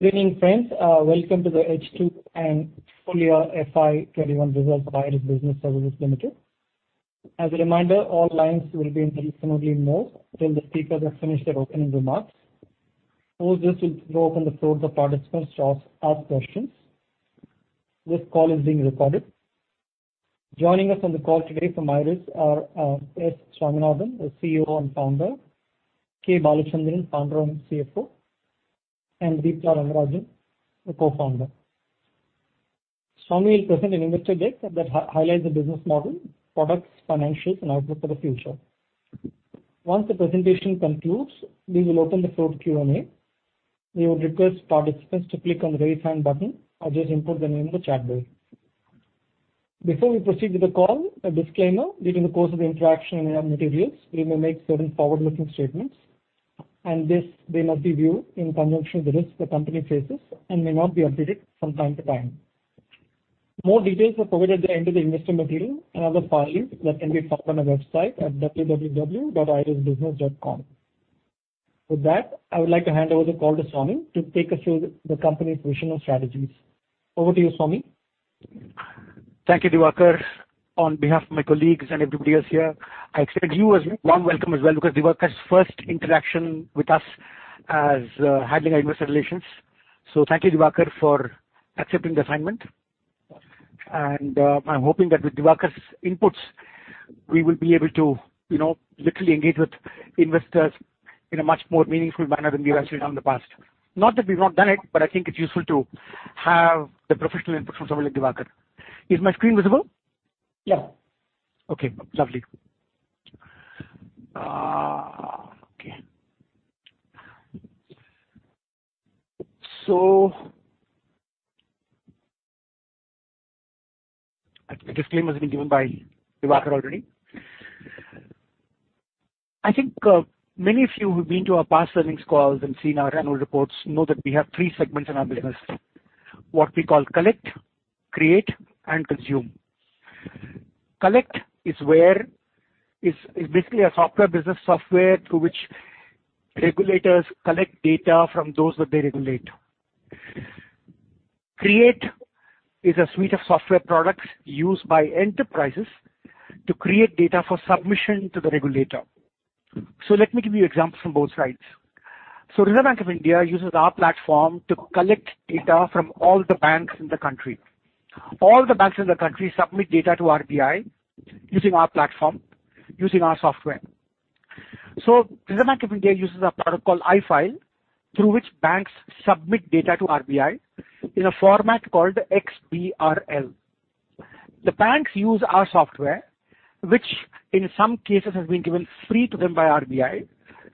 Good evening, friends. Welcome to the H2 and full year FY 2021 results by IRIS Business Services Limited. As a reminder, all lines will be in listen-only mode till the speakers have finished their opening remarks. Host will open the floor to participants to ask questions. This call is being recorded. Joining us on the call today from IRIS are S. Swaminathan, the CEO and Founder, K. Balachandran, Founder and CFO, and Deepta Rangarajan, the Co-Founder. Swamy will present an investor deck that highlights the business model, products, financials, and outlook for the future. Once the presentation concludes, we will open the floor to Q&A. We would request participants to click on the raise hand button or just input their name in the chat box. Before we proceed with the call, a disclaimer. During the course of interaction and materials, we may make certain forward-looking statements, and this may not be viewed in conjunction with the risks the company faces and may not be updated from time to time. More details are provided at the end of the investor material and other filings that can be found on our website at www.irisbusiness.com. With that, I would like to hand over the call to Swamy to take us through the company's vision and strategies. Over to you, Swamy. Thank you, Diwakar. On behalf of my colleagues and everybody else here, I extend you a warm welcome as well, because Diwakar's first interaction with us as heading investor relations. Thank you, Diwakar, for accepting the assignment, and I'm hoping that with Diwakar's inputs, we will be able to literally engage with investors in a much more meaningful manner than we've actually done in the past. Not that we've not done it, but I think it's useful to have the professional input from somebody like Diwakar. Is my screen visible? Yeah. Okay. Lovely. Okay. The disclaimer has been given by Diwakar already. I think many of you who have been to our past earnings calls and seen our annual reports know that we have three segments in our business. What we call collect, create, and consume. Collect is basically a software business software through which regulators collect data from those that they regulate. Create is a suite of software products used by enterprises to create data for submission to the regulator. Let me give you examples from both sides. Reserve Bank of India uses our platform to collect data from all the banks in the country. All the banks in the country submit data to RBI using our platform, using our software. Reserve Bank of India uses a product called IRIS iFile, through which banks submit data to RBI in a format called XBRL. The banks use our software, which in some cases has been given free to them by RBI,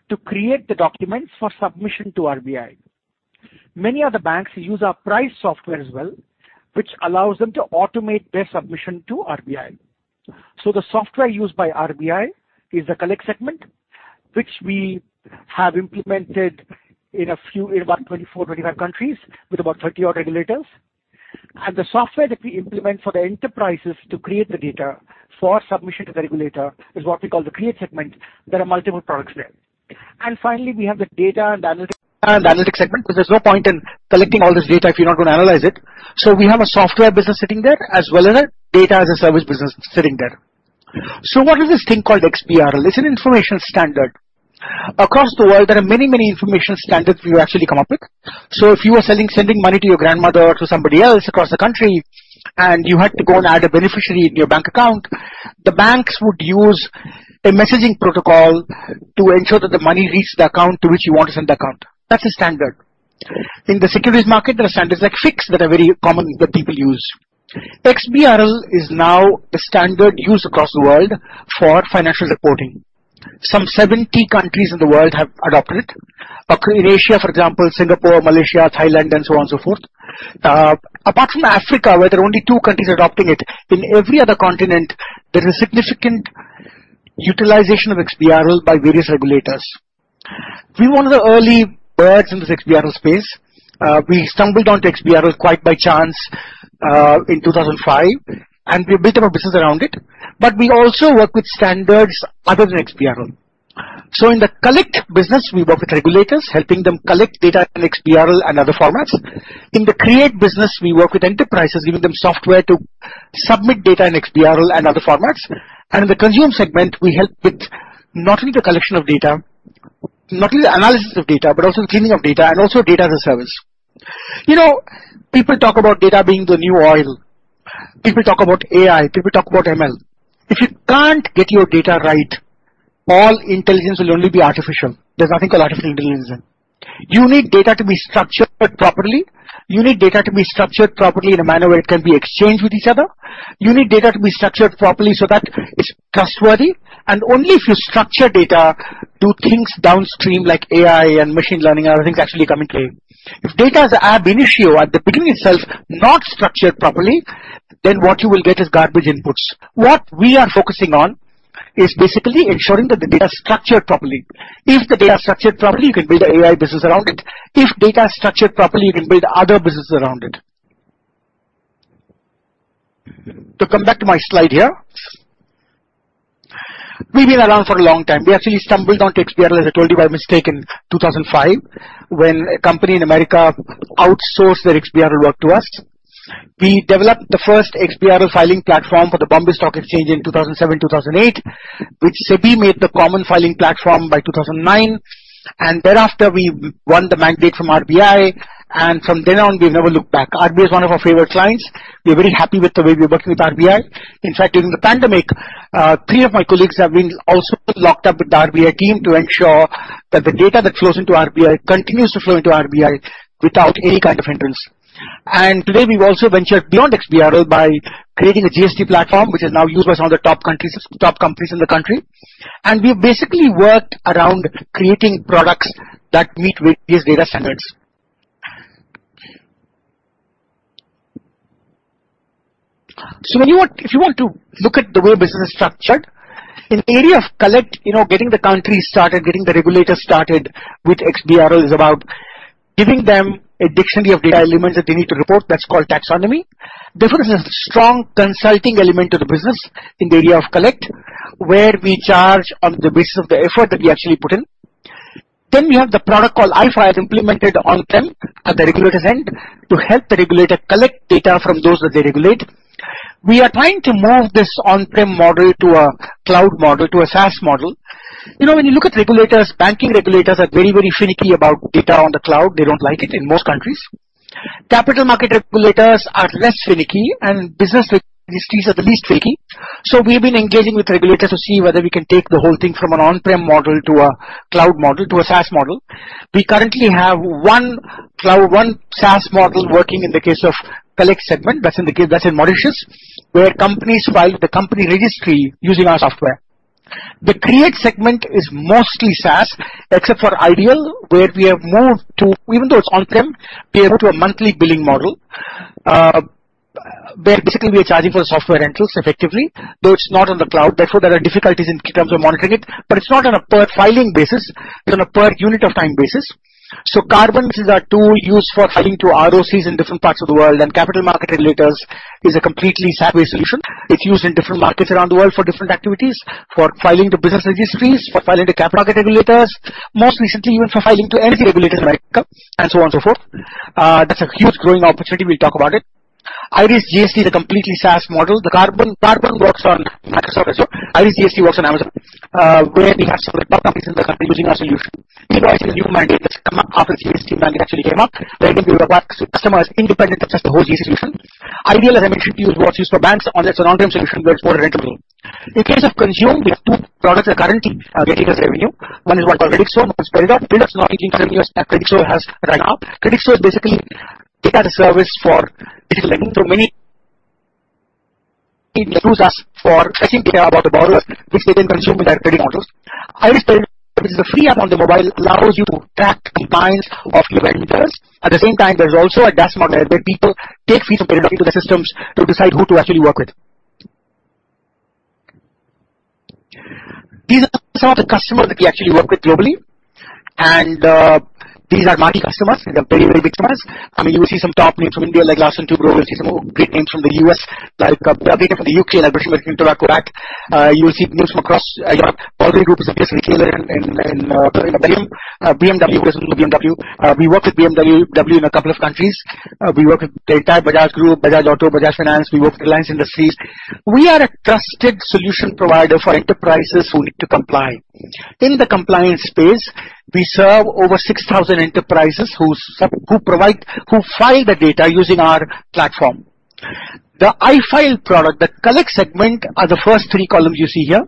to create the documents for submission to RBI. Many other banks use our price software as well, which allows them to automate their submission to RBI. The software used by RBI is the collect segment, which we have implemented in about 24 regular countries with about 30 odd regulators. The software that we implement for the enterprises to create the data for submission to the regulator is what we call the create segment. There are multiple products there. Finally, we have the data analytics segment, because there's no point in collecting all this data if you're not going to analyze it. We have a software business sitting there as well as a data as a service business sitting there. What is this thing called XBRL? It's an information standard. Across the world, there are many information standards we've actually come up with. If you were sending money to your grandmother or somebody else across the country, and you had to go and add a beneficiary in your bank account, the banks would use a messaging protocol to ensure that the money reaches the account to which you want to send the account. That's a standard. In the securities market, there are standards like FIX that are very common that people use. XBRL is now a standard used across the world for financial reporting. Some 70 countries in the world have adopted it. Asia, for example, Singapore, Malaysia, Thailand, and so on, so forth. Apart from Africa, where there are only two countries adopting it, in every other continent, there's a significant utilization of XBRL by various regulators. We were one of the early birds in this XBRL space. We stumbled onto XBRL quite by chance, in 2005, and we built our business around it, but we also work with standards other than XBRL. In the collect business, we work with regulators, helping them collect data in XBRL and other formats. In the create business, we work with enterprises, giving them software to submit data in XBRL and other formats. In the consume segment, we help with not only the collection of data, not only the analysis of data, but also cleaning of data and also data as a service. People talk about data being the new oil. People talk about AI. People talk about ML. If you can't get your data right, all intelligence will only be artificial. There's nothing called artificial intelligence then. You need data to be structured properly. You need data to be structured properly in a manner where it can be exchanged with each other. You need data to be structured properly so that it's trustworthy. Only if you structure data, do things downstream like AI and machine learning and other things actually come into play. If data is ab initio at the beginning itself not structured properly, then what you will get is garbage inputs. What we are focusing on is basically ensuring that the data is structured properly. If the data is structured properly, you can build your AI business around it. If data is structured properly, you can build other businesses around it. To come back to my slide here. We've been around for a long time. We actually stumbled on XBRL, as I told you by mistake in 2005, when a company in America outsourced their XBRL work to us. We developed the first XBRL filing platform for the Bombay Stock Exchange in 2007, 2008. SEBI made the common filing platform by 2009. Thereafter, we won the mandate from RBI. From then on, we never looked back. RBI is one of our favorite clients. We're very happy with the way we work with RBI. In fact, during the pandemic, three of my colleagues have been also locked up with the RBI team to ensure that the data that flows into RBI continues to flow into RBI without any kind of hindrance. Today, we've also ventured beyond XBRL by creating a GST platform, which is now used by some of the top companies in the country. We've basically worked around creating products that meet various data standards. If you want to look at the way business is structured, in the area of collect, getting the country started, getting the regulator started with XBRL is about giving them a dictionary of data elements that they need to report. That's called taxonomy. There's a strong consulting element to the business in the area of collect, where we charge on the basis of the effort that we actually put in. We have the product called iFile implemented on-prem at the regulator's end to help the regulator collect data from those that they regulate. We are trying to move this on-prem model to a cloud model, to a SaaS model. You look at regulators, banking regulators are very finicky about data on the cloud. They don't like it in most countries. Capital market regulators are less finicky, and business registries are the least finicky. We've been engaging with regulators to see whether we can take the whole thing from an on-prem model to a cloud model, to a SaaS model. We currently have one SaaS model working in the case of collect segment that's in Mauritius, where companies file with the company registry using our software. The create segment is mostly SaaS, except for iDEAL, where we have moved to, even though it's on-prem, pay over a monthly billing model, where basically we're charging for software rentals effectively, though it's not on the cloud, therefore, there are difficulties in terms of monitoring it, but it's not on a per filing basis. It's on a per unit of time basis. CARBON is our tool used for filing to ROCs in different parts of the world, and capital market regulators is a completely separate solution. It's used in different markets around the world for different activities, for filing to business registries, for filing to capital market regulators, most recently even for filing to NC regulators like CUP and so on, so forth. That's a huge growing opportunity. We'll talk about it. IRIS GST is a completely SaaS model. Carbon works on Microsoft Azure. IRIS GST works on Amazon, where we have some of the top companies in the country using our solution. These are actually new mandates that come up after the GST mandate actually came up, where we build products customers independent of just the whole GST solution. iDEAL and MD 50 is what we use for banks on their solutions, and we charge a quarterly to them. In case of consumer, we have two products that currently get used every day. One is what our credit score called Peridot. Peridot is not 1800 years that credit score has right now. Credit score is basically data as a service for digital lending. Many use us for fetching data about borrowers, which they then consume when they're lending on those. IRIS Peridot, which is a free app on your mobile, allows you to track compliance of your vendors. At the same time, there is also a dashboard where people pay fees to Peridot to the systems to decide who to actually work with. These are some of the customers that we actually work with globally, and these are mighty customers. They are very, very big customers. You see some top names from India like Larsen & Toubro. You see some great names from the U.S. like Bloomberg, and from the U.K. like HSBC, Intrum, Kotak. You see names from across. Yeah, Apollo Group is a huge retailer in the Middle East. BMW. We work with BMW in a couple of countries. We work with Tata, Bajaj Group, Bajaj Auto, Bajaj Finance. We work with Reliance Industries. We are a trusted solution provider for enterprises who need to comply. In the compliance space, we serve over 6,000 enterprises who file their data using our platform. The iFile product, the collect segment, are the first three columns you see here.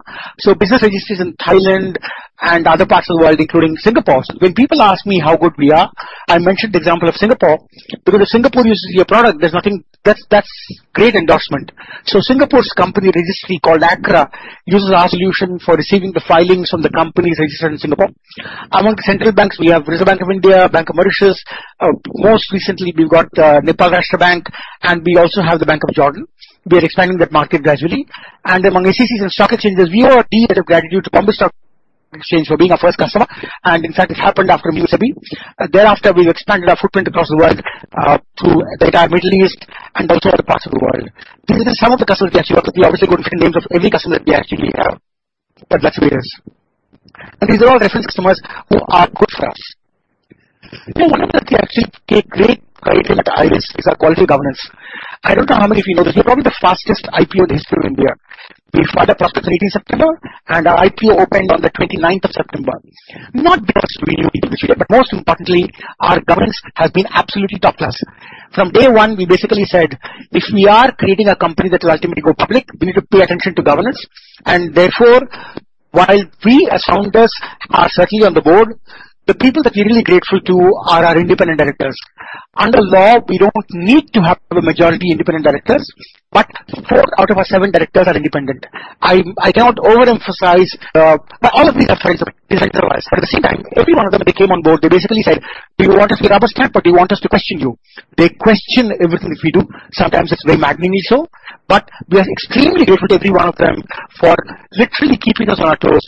Business registries in Thailand and other parts of the world, including Singapore. When people ask me how good we are, I mention the example of Singapore. Because if Singapore uses your product, that's great endorsement. Singapore's company registry called ACRA uses our solution for receiving the filings from the companies registered in Singapore. Among central banks, we have Reserve Bank of India, Bank of Mauritius. Most recently, we've got Nepal Rastra Bank, and we also have the Bank of Jordan. We are expanding that market gradually. Among SECs and stock exchanges, we owe a debt of gratitude to Bombay Stock Exchange for being our first customer, and in fact, it happened after the GST. Thereafter, we've expanded our footprint across the world through the Middle East and also other parts of the world. This is just some of the customers we actually work with. We obviously could go into the details of every customer that we actually have, but that's tedious. These are all reference customers who are good for us. One of the things we actually take great pride in at IRIS is our quality of governance. I don't know how many people know, we've got one of the fastest IPOs in the history of India. We filed our prospects 18 September, and our IPO opened on the 29th of September. Not because we knew anything special, but most importantly, our governance has been absolutely top-class. From day one, we basically said, "If we are creating a company that will ultimately go public, we need to pay attention to governance." While we as founders are certainly on the board, the people we're really grateful to are our independent directors. Under law, we don't need to have a majority independent directors, but four out of our seven directors are independent. I cannot overemphasize, all of these are friends director-wise. Every one of them that came on board, they basically said, "We want to be your rubber stamp, but we want us to question you." They question everything we do. Sometimes it's very maddeningly so, but we are extremely grateful to every one of them for literally keeping us on our toes.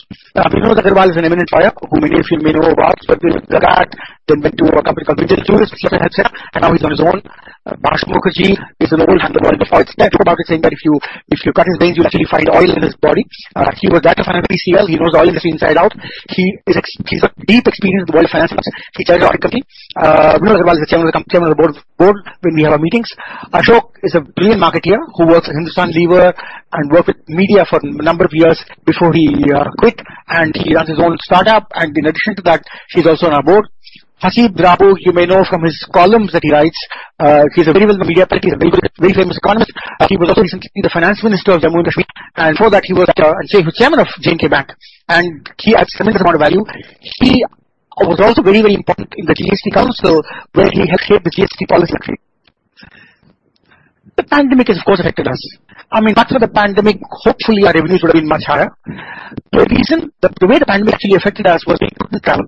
We know that there was an M&A cycle where we made a few minor workouts, but we did that. We grew our company. We did jurisprudence. CFA came on its own. Bhaswar Mukherjee is an old friend from the world of Forbes. He talked about saying that if you cut his veins, you'll actually find oil in his body. He was at ICICI. He knows oil industry inside out. He's a deeply experienced in the world of finance. He chairs our audit committee. One of the reasons he came on our board when we have our meetings. Ashok is a brilliant marketer who works at Hindustan Unilever Limited and worked with media for a number of years before he quit, and he runs his own startup, and in addition to that, he's also on our board. Haseeb Drabu, you may know from his columns that he writes. He's a very well-known media person. He writes very famous columns. He was also in the finance minister of J&K. Before that, he was the chairman of J&K Bank. He adds a certain amount of value. He was also very important in the GST Council where he helped shape the GST policy. The pandemic has, of course, affected us. After the pandemic, hopefully, our revenues will be much higher. The way the pandemic actually affected us was we couldn't travel.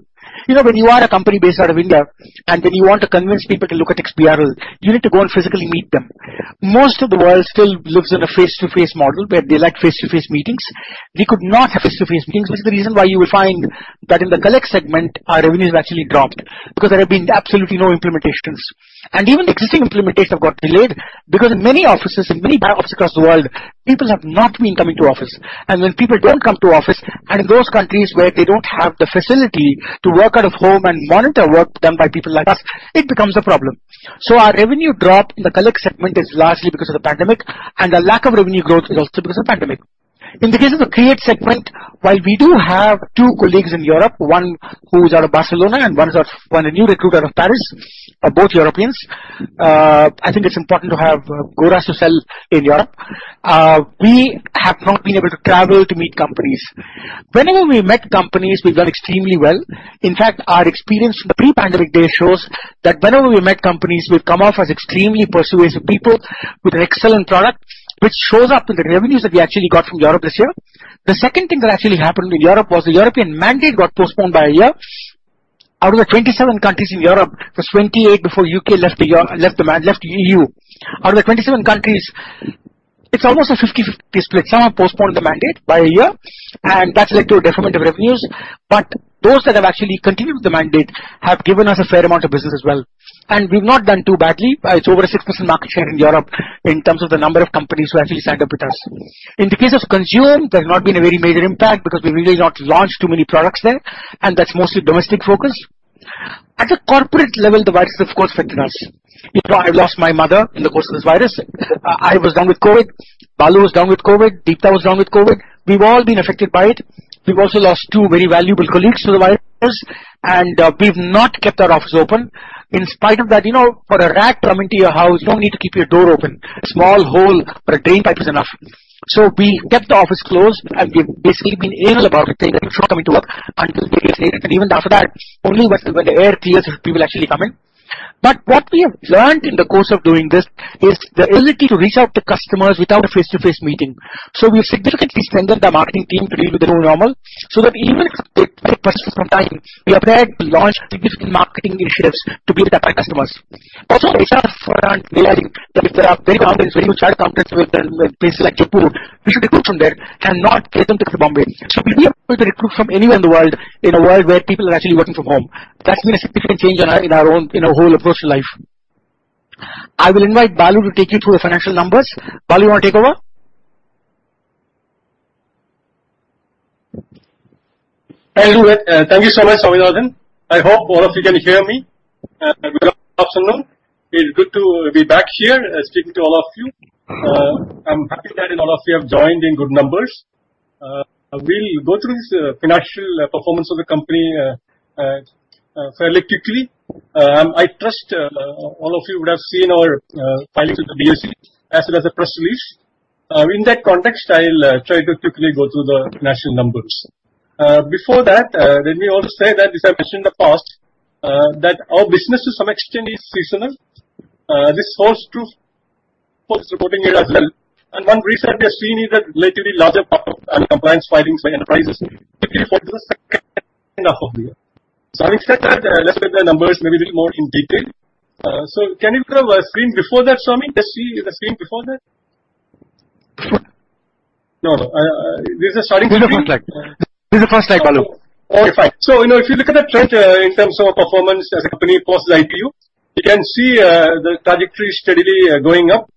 When you are a company based out of India and then you want to convince people to look at XBRL, you need to go and physically meet them. Most of the world still looks at a face-to-face model, that they like face-to-face meetings. We could not have face-to-face meetings, which is the reason why you will find that in the collect segment, our revenue has actually dropped because there have been absolutely no implementations. Even existing implementations got delayed because in many offices, in many banks across the world, people have not been coming to office. When people don't come to office, and in those countries where they don't have the facility to work out of home and monitor work done by people like us, it becomes a problem. Our revenue drop in the collect segment is largely because of the pandemic, and the lack of revenue growth is also because of the pandemic. In the case of the create segment, while we do have two colleagues in Europe, one who's out of Barcelona and a new recruit out of Paris, are both Europeans, I think it's important to have Goras to sell in Europe, we have not been able to travel to meet companies. Whenever we met companies, we've done extremely well. In fact, our experience pre-pandemic shows that whenever we met companies, we've come off as extremely persuasive people with an excellent product, which shows up in the revenues that we actually got from Europe this year. The second thing that actually happened in Europe was the European mandate got postponed by a year. Out of the 27 countries in Europe, it was 28 before U.K. left the EU. Out of the 27 countries, it's almost a 50/50 split. Some have postponed the mandate by a year, and that's led to a detriment of revenues. Those that have actually continued with the mandate have given us a fair amount of business as well. We've not done too badly by over a 6% market share in Europe in terms of the number of companies who actually signed up with us. In the case of consumer, there's not been a very major impact because we've really not launched too many products there, and that's mostly domestic-focused. At a corporate level, the virus, of course, affected us. I lost my mother in the course of this virus. I was down with COVID. Balu was down with COVID. Deepta was down with COVID. We've all been affected by it. We've also lost two very valuable colleagues to the virus, and we've not kept our offices open. In spite of that, for a rat coming to your house, you don't need to keep your door open. A small hole or a drain pipe is enough. We kept the office closed, and we've basically been able to operate very much from home until very recently. Even after that, only when the air clears will people actually come in. What we have learned in the course of doing this is the ability to reach out to customers without a face-to-face meeting. We've significantly strengthened our marketing team during the normal, so that even if the process is on time, we are able to launch digital marketing initiatives to reach out to our customers. We started a front where we recruit very well, where we recruit from places like Jaipur. We should recruit from there and not get them to come to Bombay. We've been able to recruit from anywhere in the world in a world where people are actually working from home. That's a significant change in our own whole approach to life. I will invite Balu to take you through our financial numbers. Balu, you want to take over? Thank you so much, Swaminathan. I hope all of you can hear me. It's good to be back here speaking to all of you. I'm happy that all of you have joined in good numbers. We'll go through the financial performance of the company fairly quickly. I trust all of you would have seen our filings with the BSE as well as the press release. In that context, I'll try to quickly go through the financial numbers. Before that, let me also say that as I mentioned in the past, that our business is extremely seasonal. This quarter too, of course, it's working here as well. One reason we have seen a relatively larger bump of advance filings by enterprises, typically for the second half of the year. Having said that, let's get the numbers maybe more in detail. Can you go a screen before that, Swami? Let's see the screen before that. No, this is filings by- This is the first slide. Okay, fine. if you look at the trend in terms of performance as a company post-IPO, you can see the trajectory steadily going up.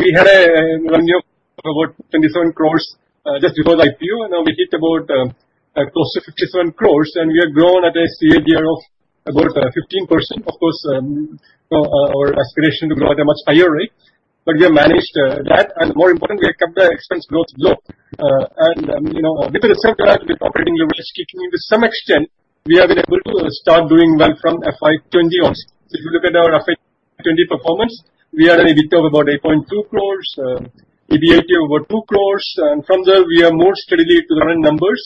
We had a one year of about 27 crore just before the IPO. Now we did about close to 57 crore, and we have grown at a CAGR of about 15%. Of course, our aspiration to grow at a much higher rate. we have managed that, and more importantly, we have kept our expense growth low. because of the same product we're operating, to some extent, we have been able to start doing well from FY 2020 also. If you look at our FY 2020 performance, we had an EBITDA of about 8.2 crore, EBITDA over 2 crore. from there, we have more steadily grown in numbers,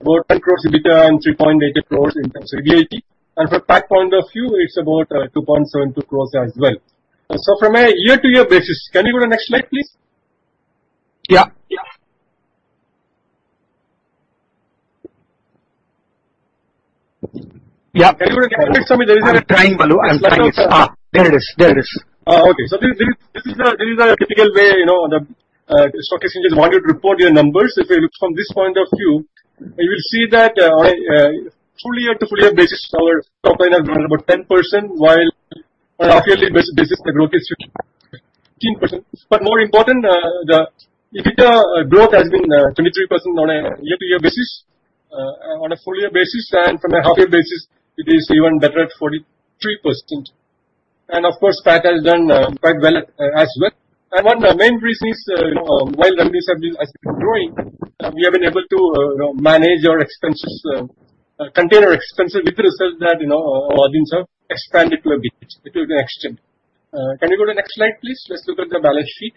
about 1 crore EBITDA and 3.8 crore in terms of EBITDA. For PAT point of view, it's about 2.72 crores as well. From a year-to-year basis, can we go next slide, please? Yeah. Yeah. I'm trying, Balu. I'm trying. There it is. There it is. Okay. This is a typical way. The stock exchange wanted to report their numbers. If we look from this point of view, you will see that full year to full year basis, our top line has grown about 10%, while on a half yearly basis, the growth is 15%. More important, the EBITDA growth has been 23% on a year-to-year basis. On a full year basis and from a half year basis, it is even better at 43%. Of course, PAT has done quite well as well. One of the main reasons why revenues have been growing, we have been able to manage our expenses, contain our expenses with the result that our earnings have expanded to a bit, to an extent. Can you go to the next slide, please? Let's look at the balance sheet.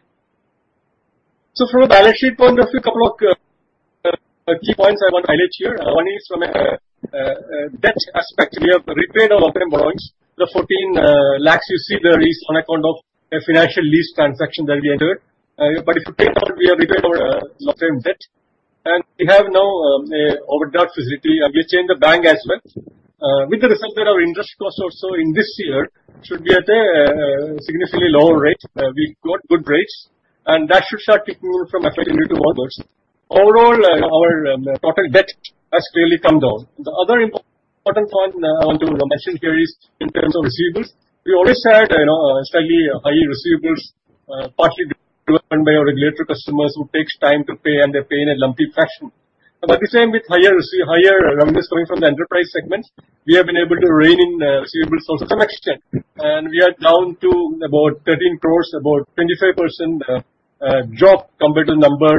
From the balance sheet front, there are a couple of key points I want to highlight here. One is from a debt aspect, we have repaid all of our loans. The 14 lakhs you see there is on account of a financial lease transaction that we entered. If you take that out, we have repaid a lot of our debt, and we have no overdraft facility. We changed the bank as well. With the result that our interest costs also in this year should be at a significantly lower rate. We got good rates, and that should start improving from FY 2021 onwards. Overall, our total debt has really come down. The other important point I want to mention here is in terms of receivables. We always had a slightly higher receivables, partly driven by our regulator customers who take time to pay, and they pay in a lumpy fashion. This time with higher revenues coming from the enterprise segment, we have been able to rein in receivables to some extent. We are down to about 13 crores, about 25% drop compared to the number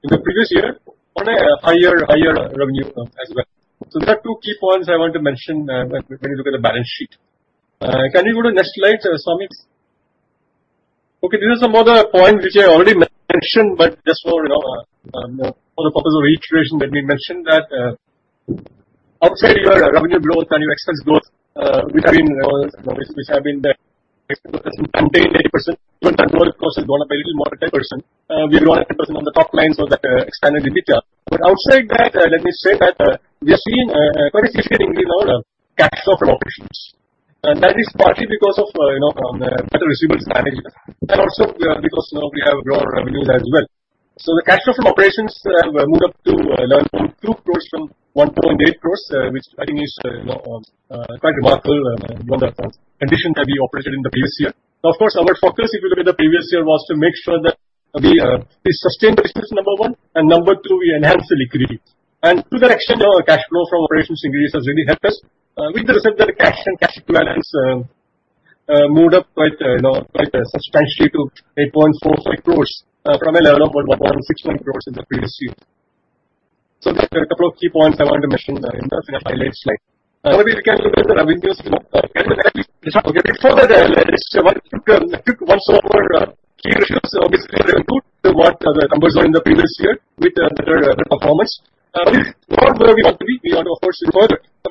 in the previous year on a higher revenue as well. There are two key points I want to mention when looking at the balance sheet. Can you go to next slide, Swamy? Okay, this is about a point which I already mentioned, but just for the purpose of reiteration, let me mention that outside your revenue growth and your expense growth, which have been 10%, 9%, even the profit has gone up a little more, 10%, we are 11% on the top line of the expanded EBITDA. Outside that, let me say that we have seen quite a significant improvement in our cash flow from operations, and that is partly because of better receivables management. That also because now we have broader revenues as well. the cash flow from operations have moved up to 11.2 crores from 1.8 crores, which I think is quite remarkable condition that we operated in the previous year. Of course, our focus even in the previous year was to make sure that we sustain the business, number one, and number two, we enhance the liquidity. to that extent, our cash flow from operations increase has really helped us. With the result that cash and cash equivalents moved up quite substantially to 8.45 crores from around 1.61 crores in the previous year. that's a couple of key points I want to mention in the highlights slide. We can look at the revenue split. Before that, I just want to keep also our key ratios obviously still good to what the numbers were in the previous year with a better performance. ROE, we have to beat, of course.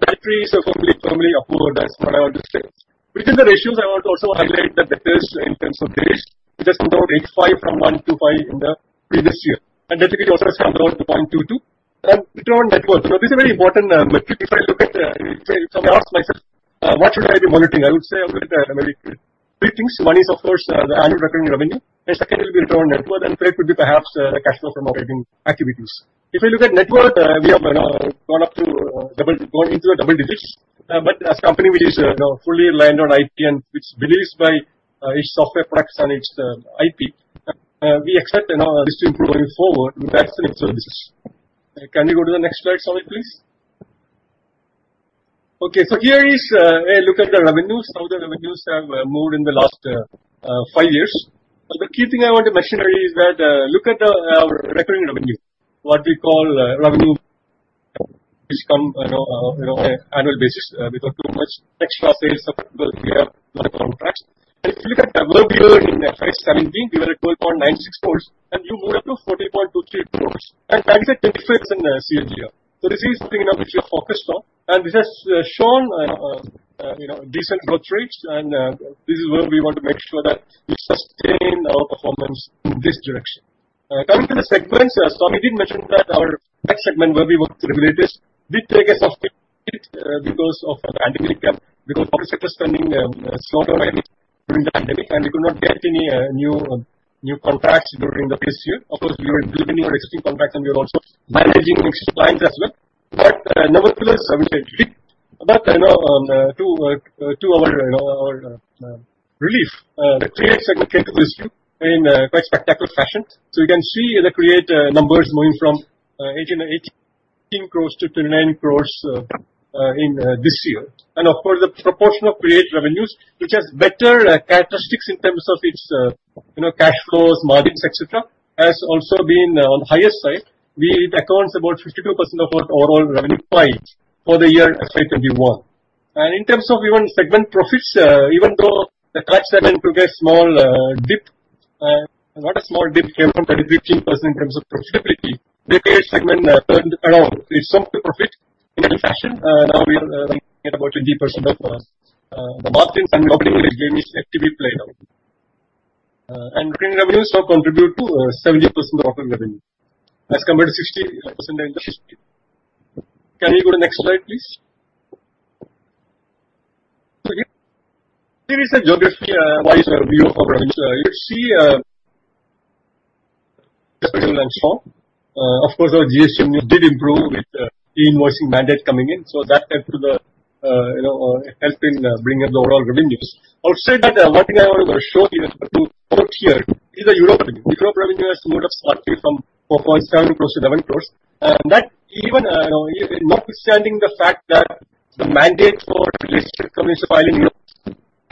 Battery is completely firmly above our debt, as I already said. Which is the ratios I want to also highlight the debtors in terms of days. It has come down to 85 from 125 in the previous year. The credit also has come down to 0.22. Return on net worth. This is very important. If someone asks myself, "What should I be working on?" I would say I look at three things. One is, of course, the annual recurring revenue. The second will be return on net worth, and third could be perhaps cash flow from operating activities. If you look at net worth, we have gone into a double digits. As a company, we fully rely on our IP, and it's believed by its software products and its IP. We expect this to improve going forward with the excellent services. Can we go to the next slide, Swamy, please? Okay, here is a look at the revenues, how the revenues have moved in the last five years. The key thing I want to mention here is that look at our recurring revenue, what we call revenue, which come on an annual basis without too much extra sales effort. We have long contracts. If you look at where we were in FY 2017, we were at 1.96 crores, and we moved up to 40.23 crores. That is a 10-fold in seven years. This is the thing which we are focused on, and this has shown decent growth rates, and this is where we want to make sure that we sustain our performance in this direction. Coming to the segments, Swamy mentioned that our tax segment, where we work with the regulators, did take a soft hit because of the pandemic year, because public sector spending slowed down during the pandemic, and we could not get any new contracts during the previous year. Of course, we were delivering on existing contracts, and we were also managing existing clients as well. Number two is, Swamy, I think. To our relief, the create segment came to the rescue in quite spectacular fashion. You can see the create numbers moving from 18 crores-29 crores in this year. Of course, the proportion of create revenues, which has better characteristics in terms of its cash flows, margins, et cetera, has also been on the higher side. It accounts about 52% of our overall revenue pie for the year FY 2021. In terms of even segment profits, even though the tax segment took a small dip, not a small dip, came from 33% in terms of profitability, the create segment turned around. It swung to profit in a fashion, now we get about 20% of the profits. The margin from operating is basically played out. Recurring revenues now contribute to 70% of overall revenue as compared to 60% in FY 2016. Can we go to the next slide, please? Here is a geography-wise view of revenues. You see customer wins from, of course, our GST did improve with the e-invoicing mandate coming in, so that helped in bringing up the overall revenues. Outside that, one thing I want to show here to note here is the Europe revenue. Europe revenue has moved up slightly from 4.7% to 11%, even notwithstanding the fact that the mandate for related commercial filing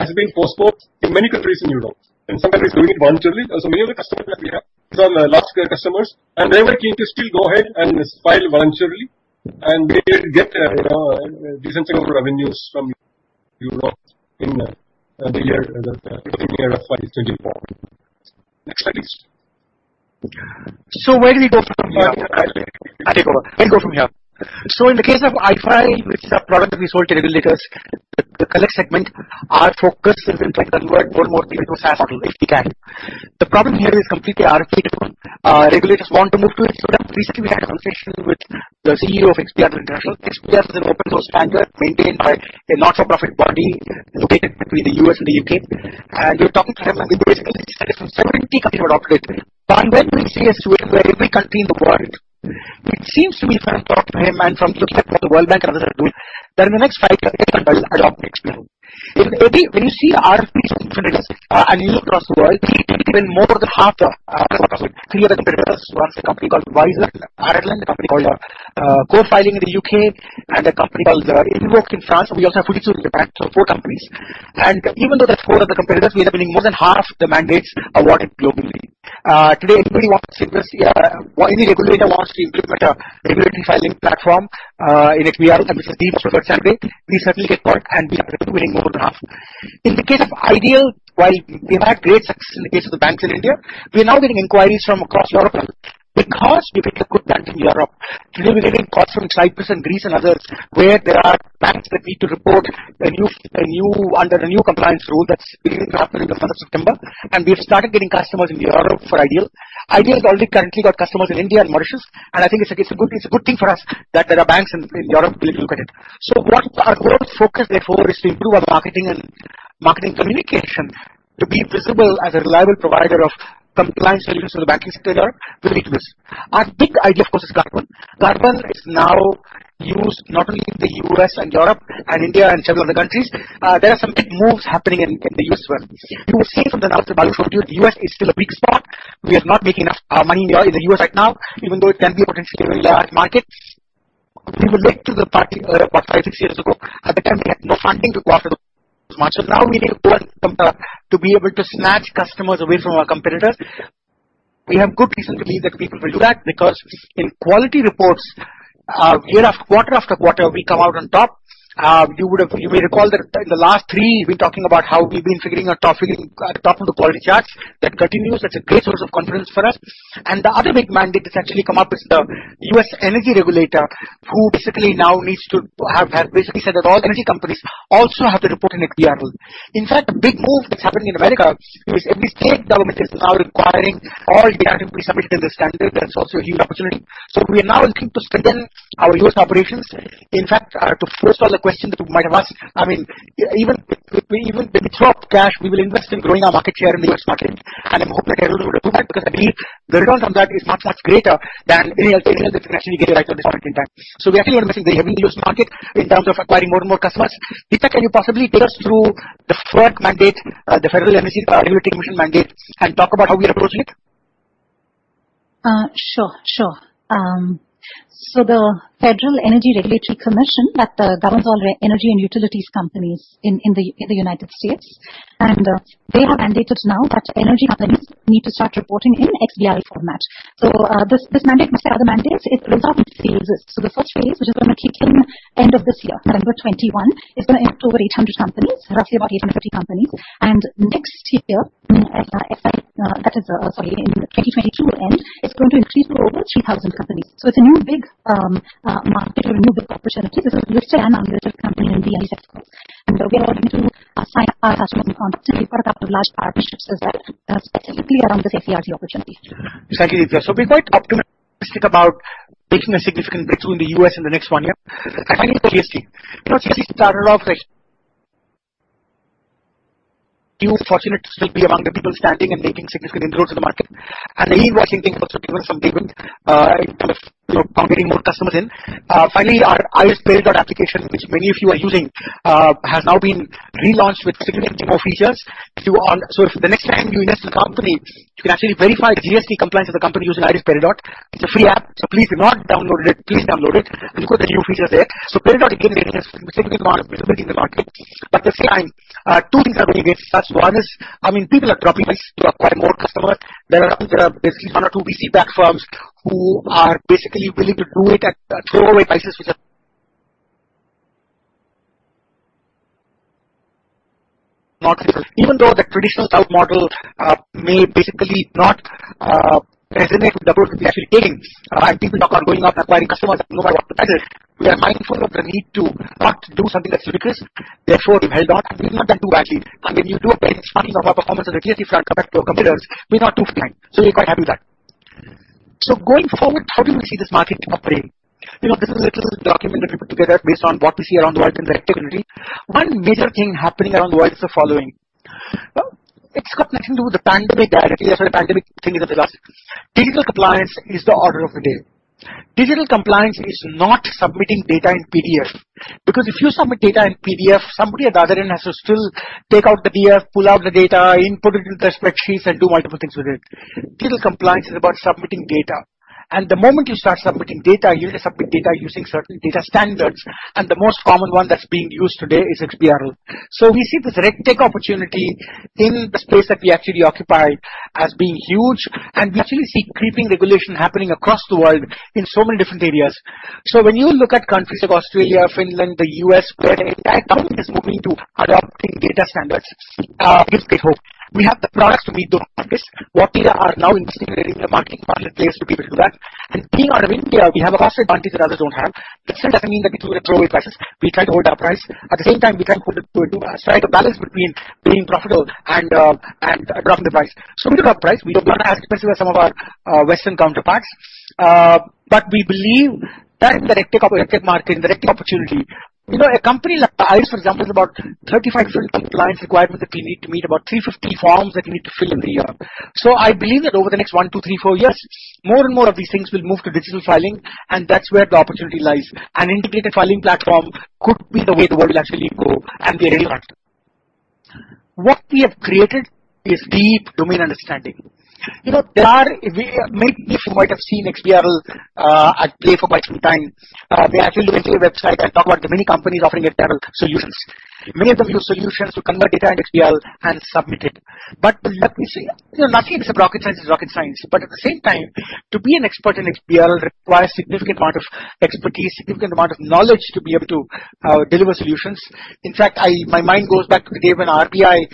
in Europe has been postponed to many countries in Europe, and some countries doing it voluntarily. Many of the customers that we have from last year customers, and they were keen to still go ahead and file voluntarily and we are getting a decent set of revenues from Europe in the year FY 2021. Next slide, please. Where do we go from here? I'll take over. I'll go from here. In the case of iFile, which is the product we showed earlier, the collect segment, our focus is in fact on more and more big info SaaS companies we can. The problem here is completely RFP-driven. Regulators want to move to it, so there recently we had conversations with the CEO of XBRL International. XBRL is an open source standard maintained by a not-for-profit body located between the U.S. and the U.K. We are talking to them about the ways in which some 70 countries are operating. When we see where every country in the world, it seems to be sort of top of mind from the perspective of the work that others are doing. The next slide will tell you a lot more. When you see RFPs from regulators and you look across the world, we have beaten more than half the competitors. Three of the competitors were a company called Vizor in Ireland, a company called CoreFiling in the U.K., and a company called Invoke in France. We also beat CCH Tagetik, so four companies. Even though there are four other competitors, we have beaten more than half the mandates awarded globally. Today, anybody walks into Vizor, the regulator walks in to implement a regulatory filing platform in XBRL, which is the industry standard, we certainly get work, and we have beaten more than half. In the case of iDEAL, while we've had great success in the case of the banks in India, we are now getting inquiries from across Europe because we did a good planting in Europe. Today, we are getting calls from Cyprus and Greece and others, where there are banks that need to report under the new compliance rule that's beginning to happen in the first of September. We have started getting customers in Europe for iDEAL. iDEAL has already currently got customers in India and Mauritius, and I think it's a good thing for us that there are banks in Europe looking at it. Our global focus, therefore, is to improve our marketing and marketing communication to be visible as a reliable provider of compliance solutions for the banking sector to regulators. I think the iDEAL focus is that one. Platform is now used not only in the U.S. and Europe and India and some other countries. There are some big moves happening in the U.S. where you will see something else. The U.S. is still the biggest market. We are not making enough money there in the U.S. right now, even though it can be a potentially large market. We were big there about five, six years ago, at that time we had no funding to market or promote. Now we need to be able to snatch customers away from our competitors. We have good reason to believe that people will do that because in quality reports, quarter after quarter, we come out on top. You may recall that in the last three, we've been talking about how we've been figuring top of the quality charts. That continues. That's a great source of confidence for us. The other big mandate essentially come up is the U.S. energy regulator, who basically now has said that all energy companies also have to report in XBRL. In fact, the big move that's happening in Nevada, every state government is now requiring all gaming companies to submit in this standard, and that's also a huge opportunity. We are now looking to strengthen our U.S. operations. In fact, to forestall the question that you might have asked, even with drop cash, we will invest in growing our market share in the U.S. market, and I'm hoping everyone will agree with that because I believe the return on that is much, much greater than any other thing that we can actually do right at the point in time. We are going to invest heavily in the U.S. market in terms of acquiring more and more customers. Deepta Rangarajan, can you possibly take us through the FERC mandate, the Federal Energy Regulatory Commission mandates, and talk about how we approach it? Sure. The Federal Energy Regulatory Commission that governs all the energy and utilities companies in the United States, and they have mandated now that energy companies need to start reporting in XBRL format. This mandate is not a mandate. It exists. The first phase, which is going to kick in end of this year, 2021, is going to affect over 800 companies. That's roughly about 850 companies. Next year, FY that is, sorry, in FY 2022 end, it's going to increase to over 2,000 companies. It's another big market with good potential. This is listed and unlisted companies in the U.S. We are going to sign partners as we talk. We've signed up a large partnership that specifically around this XBRL opportunity. Exactly. We're quite optimistic about making a significant breakthrough in the U.S. in the next one year. Coming to GST. You know, GST started off as We were fortunate to still be among the people planting and making significant inroads to the market. There, you are seeing things also given competing more customers in. Finally, our IRIS Peridot application, which many of you are using, has now been relaunched with significantly more features. The next time you invest in a company, you actually verify the GST compliance of the company using IRIS Peridot. It's a free app. If you've not downloaded it, please download it because the new features there. Peridot, again, we have significantly more features. The CI, two things are going against us. One is, people are probably trying to acquire more customers. There are companies that are basically one or two BC platforms who are basically willing to do it at throwaway prices, which are not sustainable. Even though the traditional SaaS model may basically not resonate well with the GST aims, and people are not going out there buying customers and blowing up the planet, we are mindful of the need to not do something that's ridiculous. Therefore, we will not do that too rashly. When you look at the earnings coming from our performance in GST, I'm sure our competitors will not too different. We're quite happy with that. Going forward, how do we see this market operating? This is a document we put together based on what we see around the world and the activity. One major thing happening around the world is the following. It's got nothing to do with the pandemic idea or the pandemic thing in the last two years. Digital compliance is the order of the day. Digital compliance is not submitting data in PDF, because if you submit data in PDF, somebody on the other end has to still take out the PDF, pull out the data, input it into the spreadsheets, and do all kinds of things with it. Digital compliance is about submitting data. The moment you start submitting data, you need to submit data using certain data standards, and the most common one that's being used today is XBRL. We see this RegTech opportunity in the space that we actually occupy as being huge, and we actually see creeping regulation happening across the world in so many different areas. When you look at countries like Australia, Finland, the U.S., where the entire government is moving to adopting data standards, this is where we hope. We have the products to meet those markets. What we are now is integrating a bunch of partner players to be able to do that. Being out of India, we have a cost advantage that others don't have. That still doesn't mean that we throw our prices. We try to add our price. At the same time, we try to put it to so the balance between being profitable and a profitable price. We look at price. We don't run as expensive as some of our Western counterparts, but we believe that is the tick of a tick mark in the RegTech Opportunity. A company like IRIS, for example, has about 35 different compliance requirements that need to be made, about 350 forms that need to fill in a year. I believe that over the next one, two, three, four years, more and more of these things will move to digital filing, and that's where the opportunity lies. An integrated filing platform could be the way the world actually will go, and we are here for that. What we have created is deep domain understanding. You might have seen XBRL play for quite some time. We actually maintain a website that talk about many companies offering XBRL solutions. Many of them build solutions to convert data to XBRL and submit it. Let me say, nothing against rocket science is rocket science, but at the same time, to be an expert in XBRL requires a significant amount of expertise, significant amount of knowledge to be able to deliver solutions. In fact, my mind goes back to the day when RBI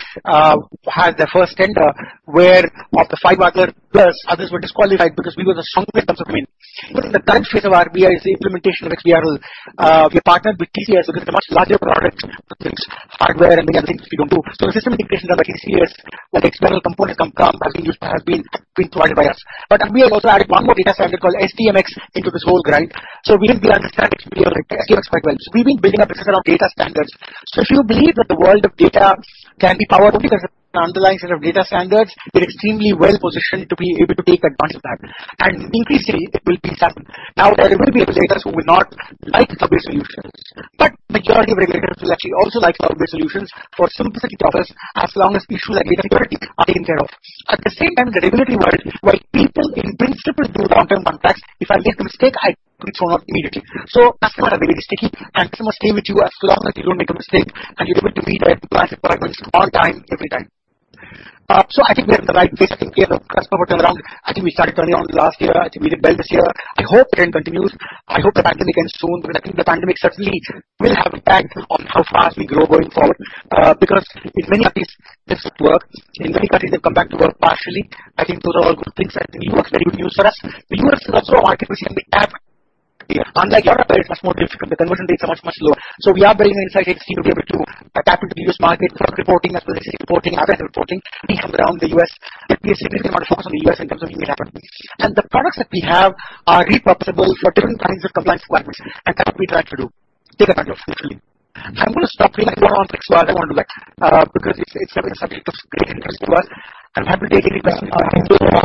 had their first tender, where of the five others, plus others were disqualified because we were the strongest competitors. The current phase of RBI is the implementation of XBRL. We partner with TCS, who is a much larger product than us. Hardware and many other things we don't do. The system integration of TCS with XBRL components from Gaana, I believe, have been provided by us. We have also added one more data standard called SDMX into this whole grind. We understand XBRL and SDMX quite well. We believe building up a set of data standards. Should we believe that the world of data can be powered because of standardized set of data standards, we're extremely well-positioned to be able to take advantage of that. We believe it will please happen. Now, there will be a few data stores who will not like software solutions. Majority of regulators will actually also like software solutions for simplicity of others, as long as the issue of reliability are taken care of. At the same time, the reliability world, where people in principle do it on one press, if I make a mistake, I correct it for immediately. Customer availability is key, and it will stay with you as long as you don't make a mistake and you're able to deliver it to customers all time, every time. I think we have the right business. I think we have the customer background. I think we started early on last year. I think we did well this year. I hope that it continues. I hope the pandemic ends soon, but I think the pandemic certainly will have an impact on how fast we grow going forward, because in many of these districts, in many countries have come back to work partially. I think those are all good things that the U.S. very well will use us. The U.S. is also artificially being capped. Unlike Europe, where it's much more difficult because everyone takes much, much more. We are very excited to be able to adapt to the U.S. market for reporting as well as the U.K. reporting, other reporting we have around the U.S. We actually believe we have a lot of U.S. companies we haven't reached. The products that we have are repurposable for different kinds of compliance requirements, and that we try to do data officially. I'm going to stop here. There's a lot more I want to do it because it's 7:30. It was a great interesting one. I'm happy to take any questions. Thank you. I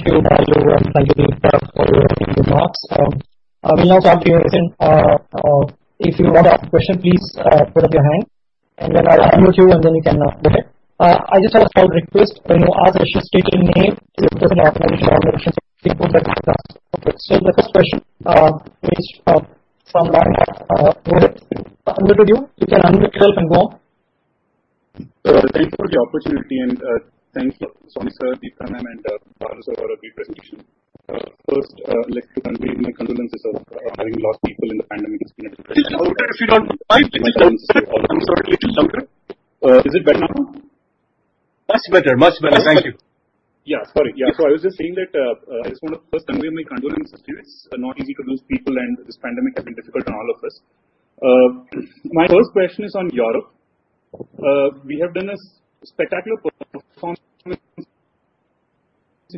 believe that I gave the floor in the box. When I talk to you, if you want to ask a question, please put up your hand, and then I'll unmute you, and then we can update. I just have one request. When you ask questions featuring me, just put them up so I make sure all the questions get posted across. Okay, the first question is from Ronit. Ronit, unmute you. You can unmute, share, and go. Thank you for the opportunity and thanks for Deepta and Bharath for a great presentation. First, let me convey my condolences on having lost people in the pandemic recently. If you don't mind, can you please step closer to the microphone? Is it better now? Much better. Yeah, sorry. I was just saying that I just want to first convey my condolences. It's not easy to lose people, and this pandemic has been difficult on all of us. My first question is on Europe. We have done a spectacular performance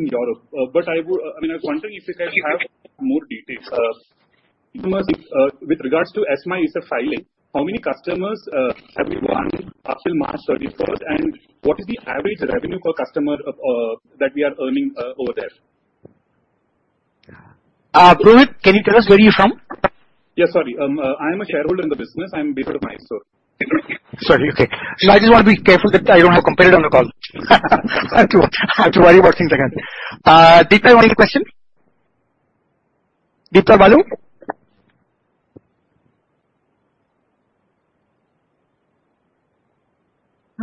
in Europe, but I was wondering if you could add a bit more details. With regards to ESMA ESEF filing, how many customers have we won after March 31st, and what is the average revenue per customer that we are earning over there? Ronit, can you tell us where you're from? Yeah, sorry. I'm a shareholder in the business. I'm based out of Mysore. Sorry. Okay. No, I just want to be careful that I don't have a competitor on the call. Thank you. I have to worry about things like that. Deepta, any question?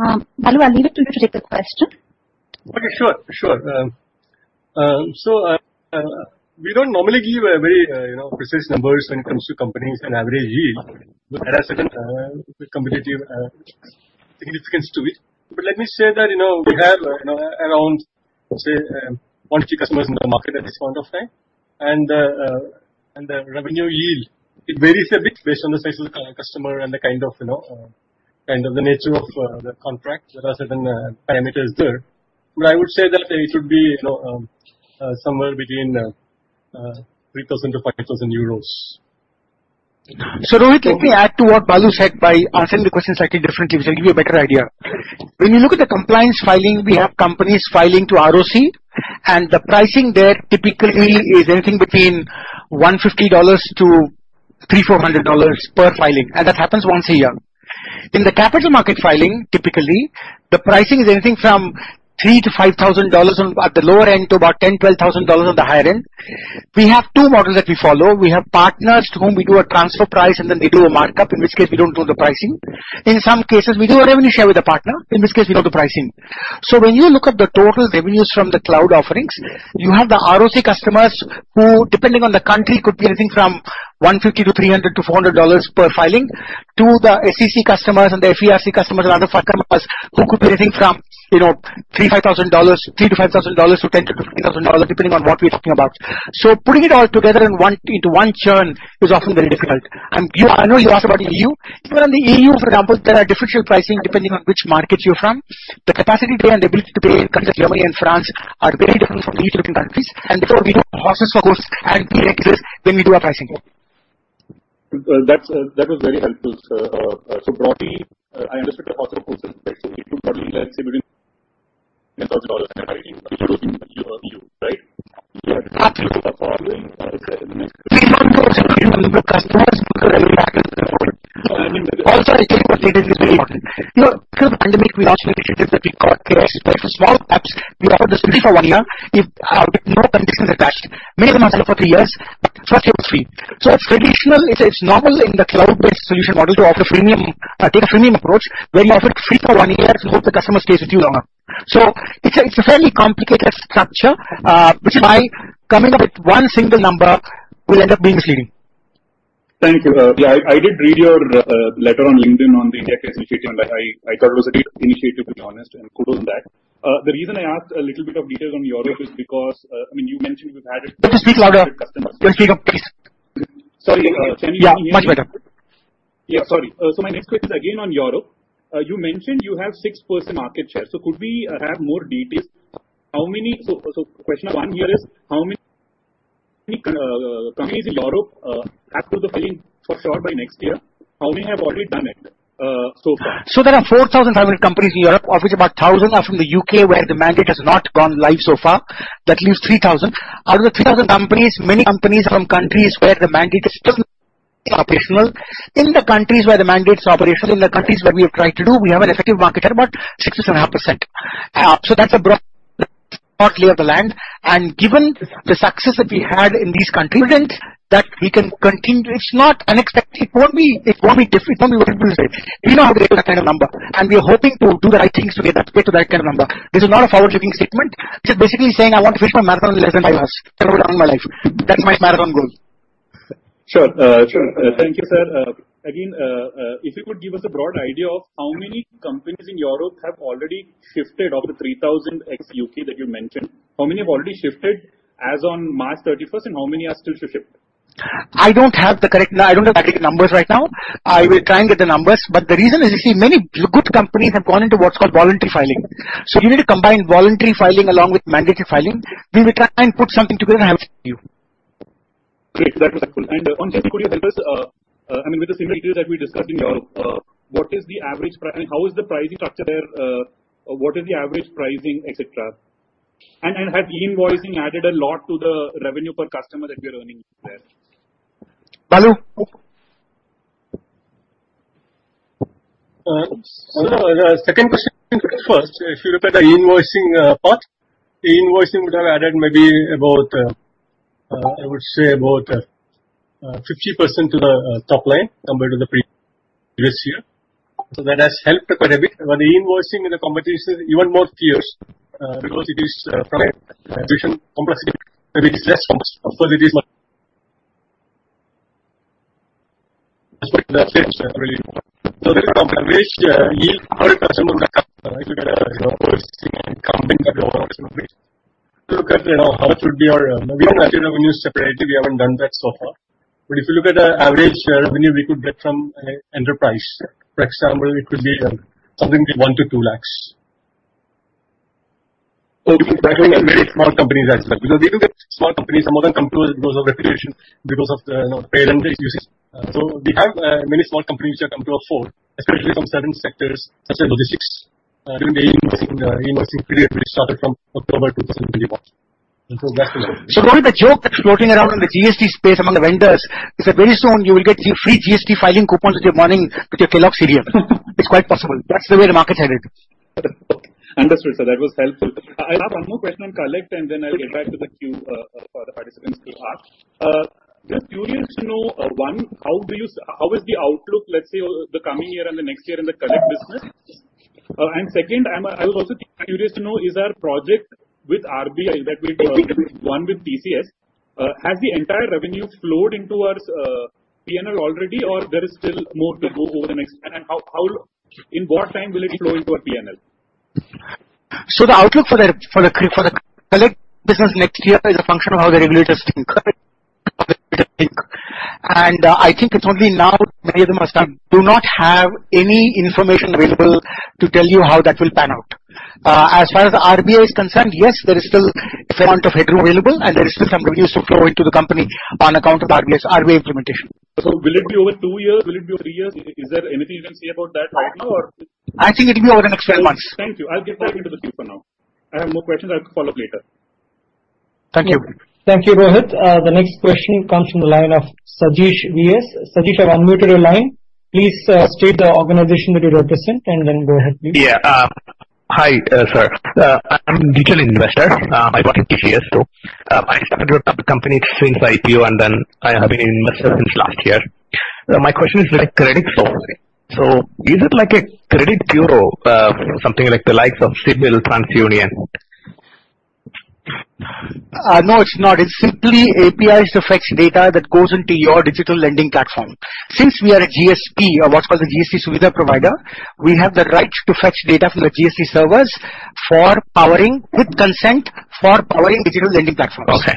Deepta Balu? Balu, I think you can repeat the question. Okay, sure. We don't normally give very precise numbers when it comes to companies and average yield. That has a competitive significance to it. Let me say that we have around, let's say, one, two customers in the market at this point of time, and the revenue yield, it varies a bit based on the size of the customer and the kind of the nature of the contract, there's a certain panic is there. I would say that it should be somewhere between 3,000-5,000 euros. Let me quickly add to what Balu said by answering the questions slightly differently, so I give you a better idea. When you look at the compliance filing, we have companies filing to ROC, and the pricing there typically is anything between $150 to $300, $400 per filing, and that happens once a year. In the capital market filing, typically, the pricing is anything from $3,000 to $5,000 at the lower end to about $10,000, $12,000 on the higher end. We have two models that we follow. We have partners to whom we do a transfer price and then they do a markup. In this case, we don't do the pricing. In some cases, we do our own share with a partner. In this case, we do the pricing. When you look at the total revenues from the cloud offerings, you have the ROC customers who, depending on the country, could be anything from $150 to $300 to $400 per filing to the SEC customers and the FERC customers and other customers who could be anything from $3,000, $3,500 to $10,000 to $15,000, depending on what we're talking about. Putting it all together into one churn is often very difficult. I know you asked about the EU. Even in the EU, for example, there are differential pricing depending on which market you're from. The capacity we have built today in countries like Germany and France are very different from each of the countries. Therefore, we have horses for courses and painkillers when we do our pricing work. That was very helpful, sir. Broadly, I understood across the board, so say 80% of the revenue comes from India and 20% from EU. Yeah. We don't know the revenue per customers because of the nature of the product. Also, I'll tell you what we did, which is very important. Pre-pandemic, we launched an initiative that we called Create. For small apps, we offered this free for one year with no conditions attached. Made them our customer for three years, first year was free. it's traditional, it's normal in the cloud-based solution model to offer a freemium approach where you offer it free for one year and hope the customer stays with you longer. it's a fairly complicated structure, which is why coming up with one single number will end up being misleading. Thank you. I did read your letter on LinkedIn on the GSTification and that was a great initiative, to be honest, and kudos to that. The reason I asked a little bit of detail on Europe is because when you mentioned you've added- Let me speak to our customers. Let's keep it brief. Sorry. Yeah. Yeah, sorry. My next question is again on Europe. You mentioned you have 6% market share. Could we have more details? Question number is, how many companies in Europe have to comply for sure by next year? How many have already done it so far? There are 4,000 government companies in Europe. Of which about 1,000 are from the U.K. where the mandate has not gone live so far. That leaves 3,000. Out of 3,000 companies, many companies are from countries where the mandate is still not operational. In the countries where the mandate is operational, in the countries where we have tried to do, we have an effective market of about 6.5%. That's a broad mark here on the land. Given the success that we had in these countries, I think that we can continue. It's not unexpected. If Bobby were to say, we want to have a greater kind of number and we are hoping to do the right things to get us to greater that kind of number. This is not a forward-looking statement. This is basically saying I want to finish my marathon less than I started. I want to run my marathon. That's my marathon goal. Sure. Thank you, sir. Again, if you could give us a broad idea of how many companies in Europe have already shifted of the 3,000 ex U.K. that you mentioned. How many have already shifted as on March 31st, and how many are still to shift? I don't have the accurate numbers right now. We're trying to get the numbers. The reason is, you see many good companies have gone into what's called voluntary filing. You need to combine voluntary filing along with mandatory filing. We will try and put something together and I will share with you. Great. That was helpful. On the same topic, I mean with the same idea that we discussed Europe, what is the average pricing? How is the pricing structure there? What is the average pricing, et cetera? Have e-invoicing added a lot to the revenue per customer that you're earning there? Balu. The second question first. If you look at the e-invoicing part, e-invoicing would have added maybe about, I would say about 50% to the top line compared to the previous year. That has helped quite a bit. E-invoicing as a competition is even more fierce because it is from a regional company. Maybe it's less from us because. That's it, that's it, sir. Really important. Looking at our average yield per customer right now, if you look at a whole thing and combine the whole mix. If you look at how it would be our revenue per customer when you separate it, we haven't done that so far. If you look at the average revenue we could get from an enterprise set, for example, it could be something like 1 lakh to 2 lakhs. We can get very small companies as well because we do get small companies. Some of them come to us because of reputation, because of the brand we are using. We have many small companies that come to us for, especially from certain sectors such as logistics during the e-invoicing period, which started from October 2021. One of the jokes floating around in the GST space among the vendors is that very soon you will get your free GST filing coupon with your morning Kellogg's cereal. It's quite possible. That's the way the market is headed. Understood, sir. That was helpful. I have one more question on Collect and then I'll get back to the queue for the participants to ask. Just curious to know, one, how is the outlook, let's say over the coming year and the next year in the Collect business? Second, I'm also curious to know, is our project with RBI that we won with TCS, have the entire revenues flowed into our P&L already or there is still more to go over next? And in what time will it flow into our P&L? The outlook for the credit business next year is a function of how the regulators think. I think it's only now many of them do not have any information available to tell you how that will pan out. As far as the RBI is concerned, yes, there is still a fair amount of headroom available, and there is still some release to flow into the company on account of the RBI's implementation. Will it be over two years? Will it be over three years? Is there anything you can say about that right now? I think it'll be over the next 12 months. Thank you. I'll get back into the queue for now. I have no question. I'll follow up later. Thank you. Thank you, Rohit. The next question comes from the line of Sajesh VS. Sajesh, I'll unmute your line. Please state the organization that you represent, and then go ahead, please. Yeah. Hi, sir. I'm an Individual Investor. I got into I started with the company through you, and then I have been an investor since last year. My question is about credit score. Is it like a credit bureau, something like the likes of CIBIL, TransUnion? No, it's not. It's simply APIs to fetch data that goes into your digital lending platform. Since we are a GSP, or what's called a GSP service provider, we have the right to fetch data from the GSP servers, with consent, for powering digital lending platforms. Okay.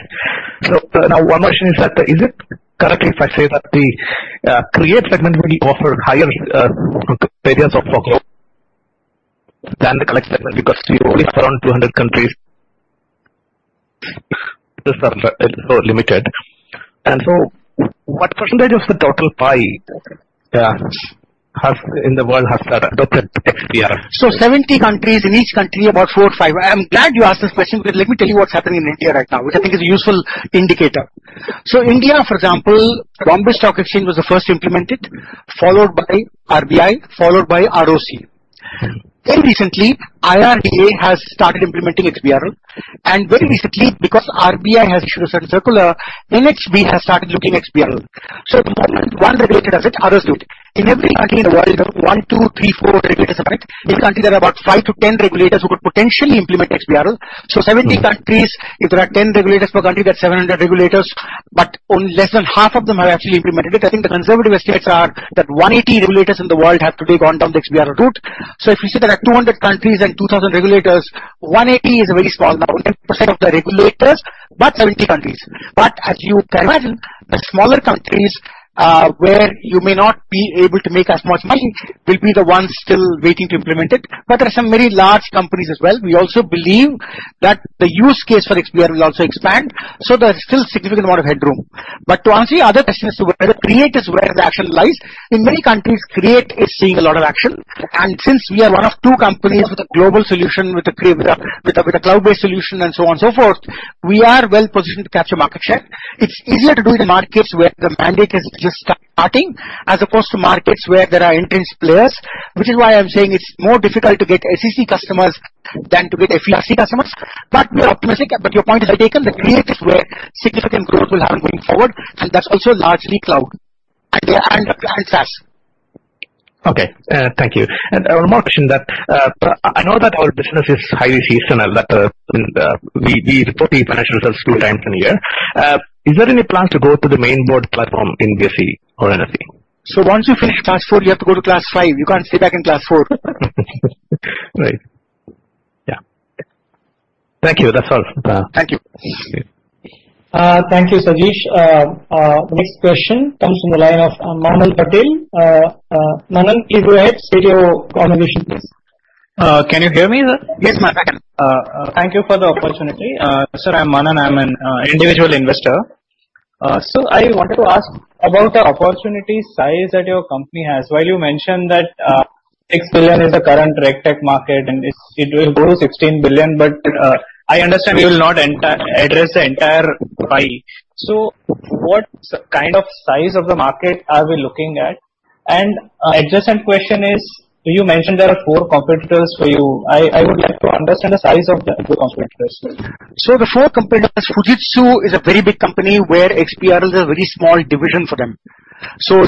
Now one question, sir. Is it correct if I say that the create segment will be offered higher experience of workflow than the credit segment? Because you only serve 200 countries, limited. What percent of the total pie in the world has been adopted by XBRL? 70 countries, in each country, about four or five. I am glad you asked this question because let me tell you what is happening in India right now, which I think is a useful indicator. India, for example, Bombay Stock Exchange was the first implemented, followed by RBI, followed by ROC. Recently, IRDA has started implementing XBRL, and very recently, because RBI has issued a certain circular, NHB has started looking at XBRL. At one regulator does it, others do it. In every country in the world, there is about one, two, three, four regulators, right? In every country, there are about five to 10 regulators who could potentially implement XBRL. 70 countries, if there are 10 regulators per country, that's 700 regulators, but only less than half of them have actually implemented it because I think the conservative estimates are that 180 regulators in the world have today gone down the XBRL route. If you said there are 200 countries and 2,000 regulators, 180 is a very small number in percent of the regulators, but 70 countries. As you can imagine, the smaller countries, where you may not be able to make as much money, will be the ones still waiting to implement it. There are some very large companies as well. We also believe that the use case for XBRL will also expand, so there's still significantly more headroom. To answer your other question, Creation is where the action lies. In many countries, Creation is seeing a lot of action. Since we are one of two companies with a global solution, with a cloud-based solution, and so on and so forth, we are well-positioned to capture market share. It's easier to do in markets where the mandate is just starting as opposed to markets where there are entrenched players, which is why I'm saying it's more difficult to get SEC customers than to get FERC customers. Your point is well taken. The create is where significant growth will happen going forward. That's also largely cloud and SaaS. Okay, thank you. One more question, sir. I know that our business is highly seasonal. We publish results two times in a year. Is there any plan to go to the main board platform in BSE or NSE? Once you finish class four, you have to go to class five. You can't stay back in class four. Right. Yeah. Thank you. That's all. Thank you. Thank you, Sajesh. Next question comes from the line of Manan Patel. Manan, please go ahead. State your organization, please. Can you hear me? Yes. Thank you for the opportunity. Sir, I'm Manan. I'm an individual investor. Sir, I wanted to ask about the opportunity size that your company has, where you mentioned that $6 billion is the current RegTech market, and it will grow to $16 billion. I understand you will not address the entire pie. What kind of size of the market are we looking at? Adjacent question is, you mentioned there are four competitors for you. I would like to understand the size of the other competitors as well. The four competitors, Fujitsu is a very big company where XBRL is a very small division for them.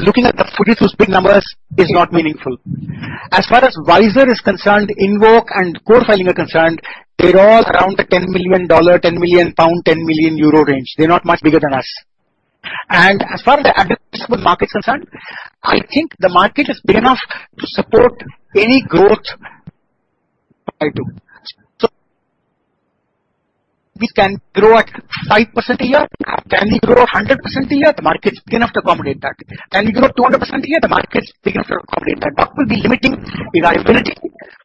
Looking at the Fujitsu Big Numbers is not meaningful. As far as Vizor is concerned, Invoke and CoreFiling are concerned, they're all around the $10 million, 10 million pound, 10 million euro range. They're not much bigger than us. As far as the addressable market is concerned, I think the market is big enough to support any growth. We can grow at 5% a year. We can grow at 100% a year. The market is big enough to accommodate that. We grow at 200% a year, the market is big enough to accommodate that. What will be limiting is our ability.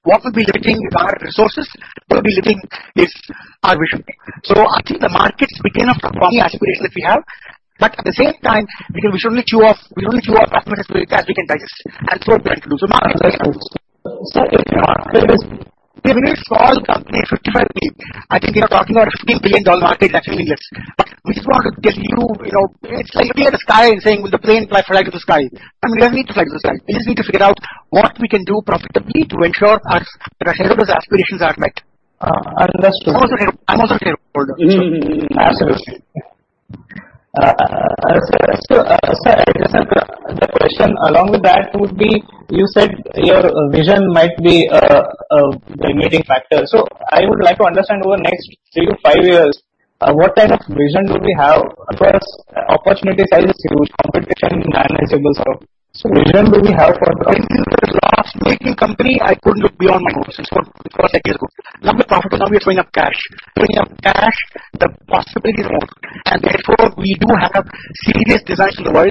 What will be limiting is our resources. What will be limiting is our vision. I think the market is big enough to accommodate the aspirations we have. At the same time, we shouldn't chew off more than we can digest and choke. We're not hungry. We're a small company, 50-odd people. I think we are talking about a INR 15 billion market that's addressing us. It's like looking at the sky and saying, "Will a plane fly through the sky?" We don't need to fly through the sky. We just need to figure out what we can do profitably to ensure that our shareholders' aspirations are met. Understood. I'm also a shareholder. Absolutely. Sir, the question along with that would be, you said your vision might be a limiting factor. I would like to understand over the next 3-5 years what kind of vision do we have? First, opportunity size is huge. Competition in online sales. Vision do we have for the? This is the last making company I put a P&L on my own. This is the first, second, and third. Number of profits, number of times we have cash. When you have cash, the possibilities are more, and therefore, we do have a serious desire to grow.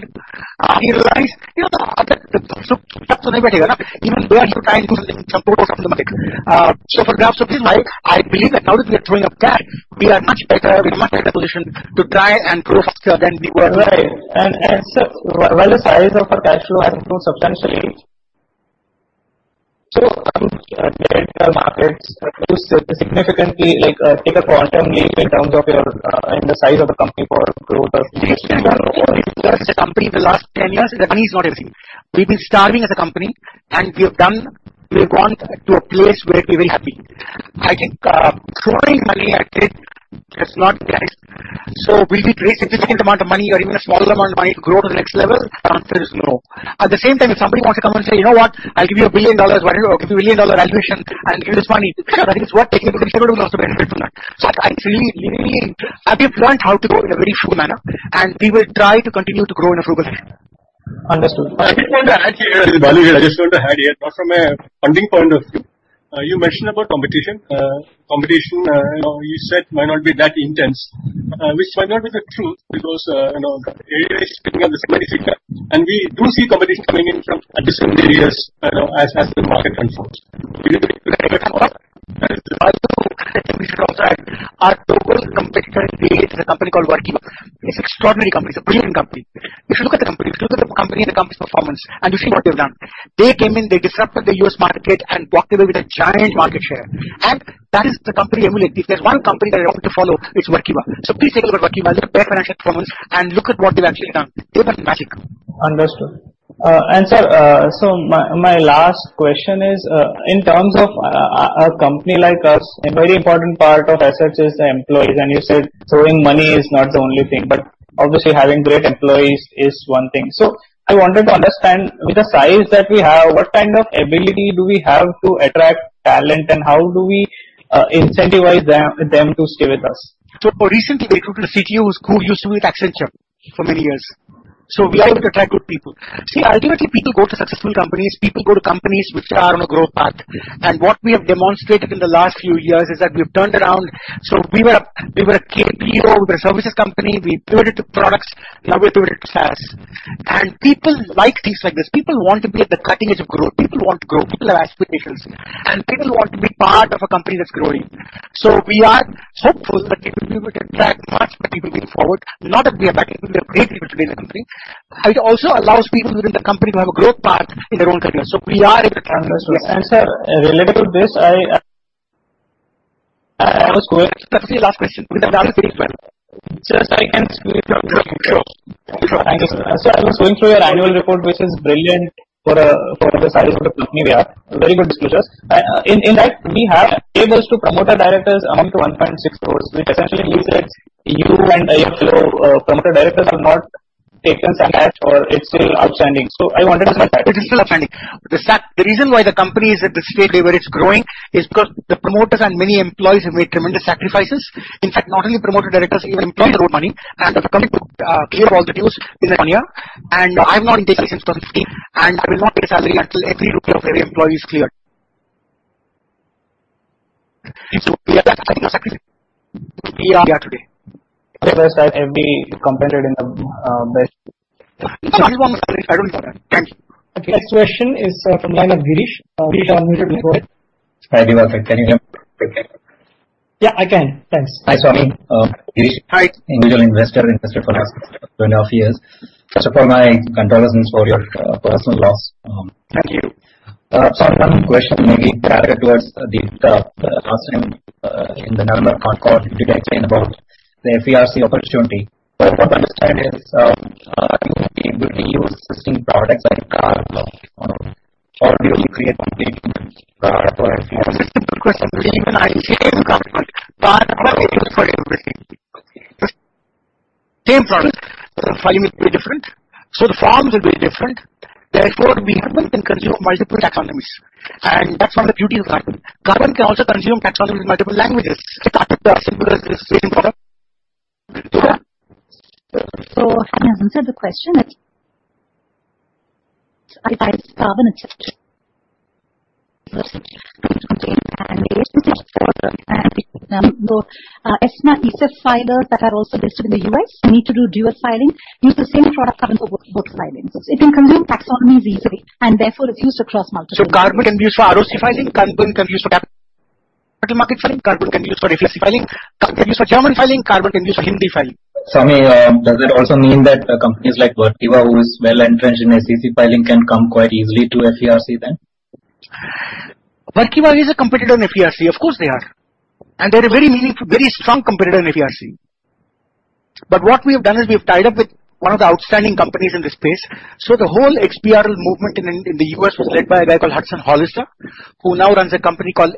I realized, the other day when I grew up, even though I was trying to do this support or something like that. For the next 15 months, I believe that now that we are growing up fast, we are much better positioned to try and grow faster than we ever have. While the size of our cash flow has grown substantially. Current markets close significantly, take a quantum leap down in the size of a company for growth. If we look at this company in the last 10 years, that means what I'm saying, we've been starting as a company, and we have gone to a place where we want to be. I think throwing money at it does not get it. We need a significant amount of money or even a smaller amount of money to grow to the next level. Chances are low. At the same time, somebody might come and say, "You know what? I'll give you $1 billion, a $1 trillion valuation. I'll give you this money." That is what the promoters also benefited from that. I think we planned how to grow in a very sure manner, and we will try to continue to grow in a throughput way. Understood. I think actually, I just want to add here from a funding point of view. You mentioned about competition. Competition, you said might not be that intense, which turned out is the truth because it is still in the very, very beginning. We do see companies coming in from different areas as the market unfolds. If I talk about who I think we should also add, our foremost competitor today is a company called Workiva. It's an extraordinary company. It's a brilliant company. You should look at the company. You should look at the company and the company's performance, you'll see what they've done. They came in, they disrupted the U.S. market and walked away with a giant market share. That is the company we believe. If there's one company that I want to follow, it's Workiva. Please look at Workiva, their financial performance, and look at what they've actually done. They've done magic. Understood. Sir, my last question is, in terms of a company like us, a very important part of assets is the employees. You said throwing money is not the only thing, but obviously, having great employees is one thing. I wanted to understand with the size that we have, what kind of ability do we have to attract talent, and how do we incentivize them to stay with us? For reasons we talked about, the CTO is good, he used to be with Accenture for many years. We are able to attract good people. See, ultimately, people go to successful companies. People go to companies which are on a growth path. What we have demonstrated in the last few years is that we've turned around. We were a KPO, we were a services company, we pivoted to products, now we're doing it SaaS. People like things like this. People want to be at the cutting edge of growth. People want growth, people have aspirations, and people want to be part of a company that's growing. We are hopeful that we will be able to attract much people going forward, not that we have attracted people. We have great people today in the company. It also allows people within the company to have a growth path in their own career. Understood. sir, related to this. Let's do the last question because I have to leave at 12:00. Just I can speak if you're sure. Understood. I was going through your annual report, which is brilliant for the size of the company we are. Very good disclosures. In that, we have payables to promoter directors amounting to 1.6, which essentially means that you and your promoter directors have not taken a salary or it's still outstanding. I wanted to understand that. It is still outstanding. The reason why the company is at the stage where it's growing is because the promoters and many employees have made tremendous sacrifices. In fact, not only promoter directors, even employees have put money, and the company could pay all the dues in the financial year. I'm not taking anything from this scheme, and I will not pay salary until every rupee of every employee is cleared. We are here today because every competitor in the market. I'm the one who started, I own 7%. Next question is from Girish. Girish, do you want me to go ahead? I do. I think you can. Yeah, I can. Thanks. Hi, Swamy. Girish, individual investor, invested for the last two and a half years. First of all, my condolences for your personal loss. Thank you. My question may be directed towards the asking in the number of accord you did explain about, if you have the opportunity. What I understand is, you would be able to use existing products like Carbon or would you create a completely new product. It's a simple question. Even I see it as a complicated part of the equation for everything. Same products, the filing is very different. The forms are very different. Therefore, we have been consuming multiple taxonomies, and that's what the beauty of IRIS CARBON can also consume taxonomy in multiple languages. It's as simple as this basic product. Having answered the question, I wouldn't say. Listen to me. It's not pieces of filer that are also based in the U.S. You need to do dual filing. Use the same product IRIS CARBON for both filings. You can consume taxonomy easily. IRIS CARBON can be used for ROC filing, IRIS CARBON can be used for tax filing, multiple market filing, IRIS CARBON can be used for FERC filing, IRIS CARBON® can be used for German filing, IRIS CARBON can be used for U.K. filing. Swamy, does it also mean that companies like Workiva who's well entrenched in SEC filing can come quite easily to FERC then? Workiva is a competitor in FERC. Of course, they are. They're a very strong competitor in FERC. What we've done is we've tied up with one of the outstanding companies in the space. The whole XBRL movement in the U.S. was led by a guy called Hudson Hollister, who now runs a company called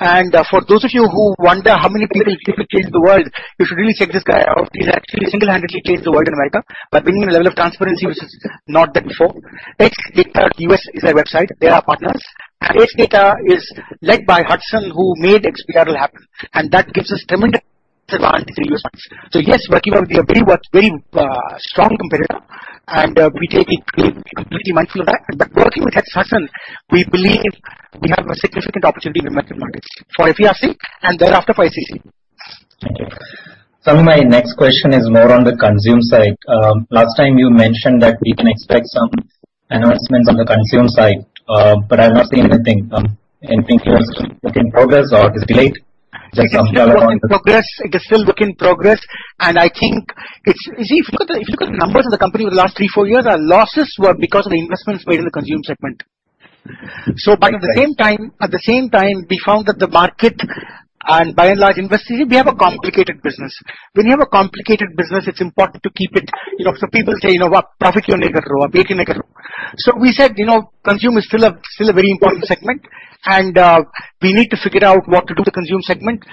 HData. For those of you who wonder how many people it takes to change the world, you should really check this guy out. He's actually single-handedly changed the world in a way by bringing a level of transparency which was not there before. XBRL US is their website. They are partners. This data is led by Hudson, who made XBRL happen. That gives us tremendous on continuous parts. Yes, Berkeley Earth is a very strong competitor, and we take it completely mindful of that. Working with Hudson, we believe we have a significant opportunity in the market for FERC and thereafter for ICC. Thank you. Sam, my next question is more on the consume side. Last time you mentioned that we can expect some announcements on the consume side. I don't see anything come. Anything is in progress or is delayed? It is still in progress. I think if you look at the numbers of the company in the last three, four years, our losses were because of the investments made in the consume segment. Right. At the same time, we found that the market and by and large investing, we have a complicated business. When you have a complicated business, it's important to keep it. People say, "Profit make it or break it." We said consume segment is still a very important segment and we need to figure out what to do with the consume segment.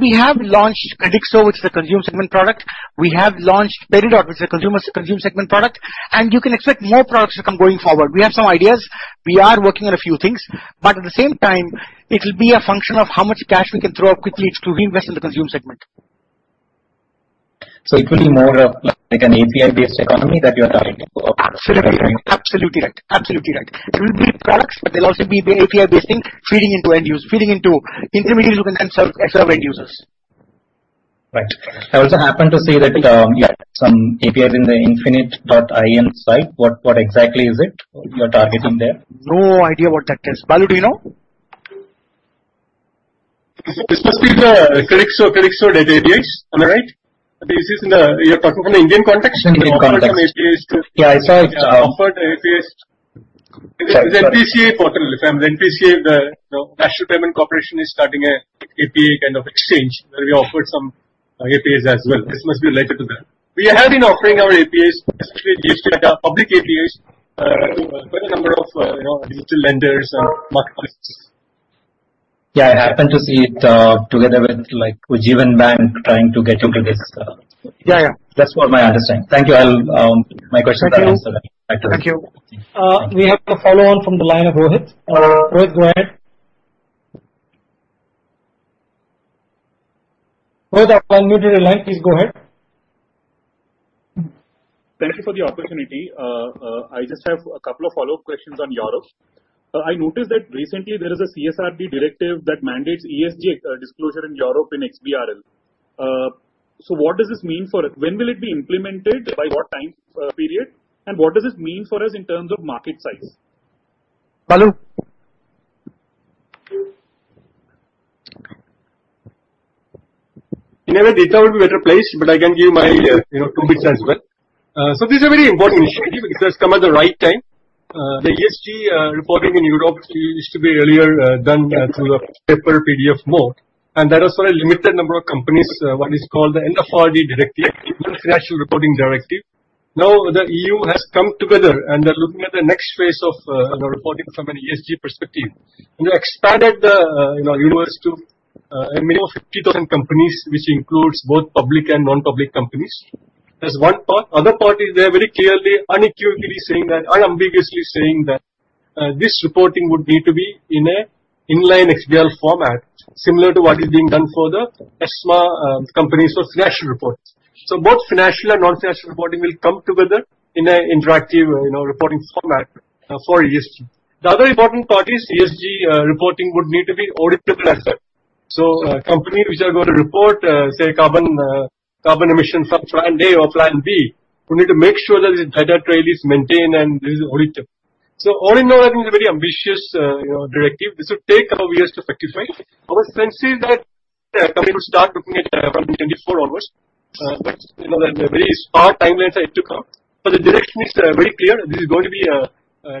We have launched Credixo as a consume segment product. We have launched Peridot as a consume segment product, and you can expect more products to come going forward. We have some ideas. We are working on a few things, but at the same time, it'll be a function of how much cash we can throw quickly to reinvest in the consume segment. It will be more of an API-based economy that you're targeting? Absolutely. Absolutely right. It will be products, but they'll also be API-based, feeding into end users, feeding into intermediate users and server end users. Right. I also happen to see that, yeah, some API in the infinite.in site. What exactly is it you are targeting there? No idea what that is. Balu, do you know? This must be the IRIS Credixo database. All right? This is the particular Indian context. Okay. We offered APIs. Yeah, I saw it. We offered APIs. It's NPCI portal. NPCI, the National Payments Corporation of India, is starting an API kind of exchange where we offered some APIs as well. This must be related to that. We have been offering our APIs, especially the public APIs, to a good number of digital lenders and marketplaces. Yeah, I happen to see it together with Ujjivan Bank trying to get your business. Yeah. That's what my understanding. Thank you. My question has been answered. Thank you. We have a follow-up from the line of Rohit. Rohit, go ahead. Rohit, I can't hear you online. Please go ahead. Thank you for the opportunity. I just have a couple of follow-up questions on Europe. I noticed that recently there is a CSRD directive that mandates ESG disclosure in Europe in XBRL. What does this mean for it? When will it be implemented, by what time period? What does this mean for us in terms of market size? Balu. The data would be out of place, but I can give you my two bits as well. This is a very important initiative because it has come at the right time. The ESG reporting in Europe used to be earlier done through a paper PDF mode, and that is for a limited number of companies, what is called the NFRD directive, the Financial Reporting Directive. The EU has come together and they're looking at the next phase of reporting from an ESG perspective. We have expanded the universe to 1,050,000 companies, which includes both public and non-public companies. That's one part. Other part is they're very clearly, unequivocally saying that, unambiguously saying that this reporting would need to be in an Inline XBRL format, similar to what is being done for the ESMA companies for financial reports. Both financial and non-financial reporting will come together in an interactive reporting format for ESG. The other important part is ESG reporting would need to be auditable as well. A company which are going to report, say, carbon emission for plan A or plan B, we need to make sure that the data trail is maintained and this is auditable. All in all, I think a very ambitious directive. This will take a couple of years to fructify. I would say that a company would start looking at 2024 onwards. That's a very sparse timeline it took out. The direction is very clear. This is going to be a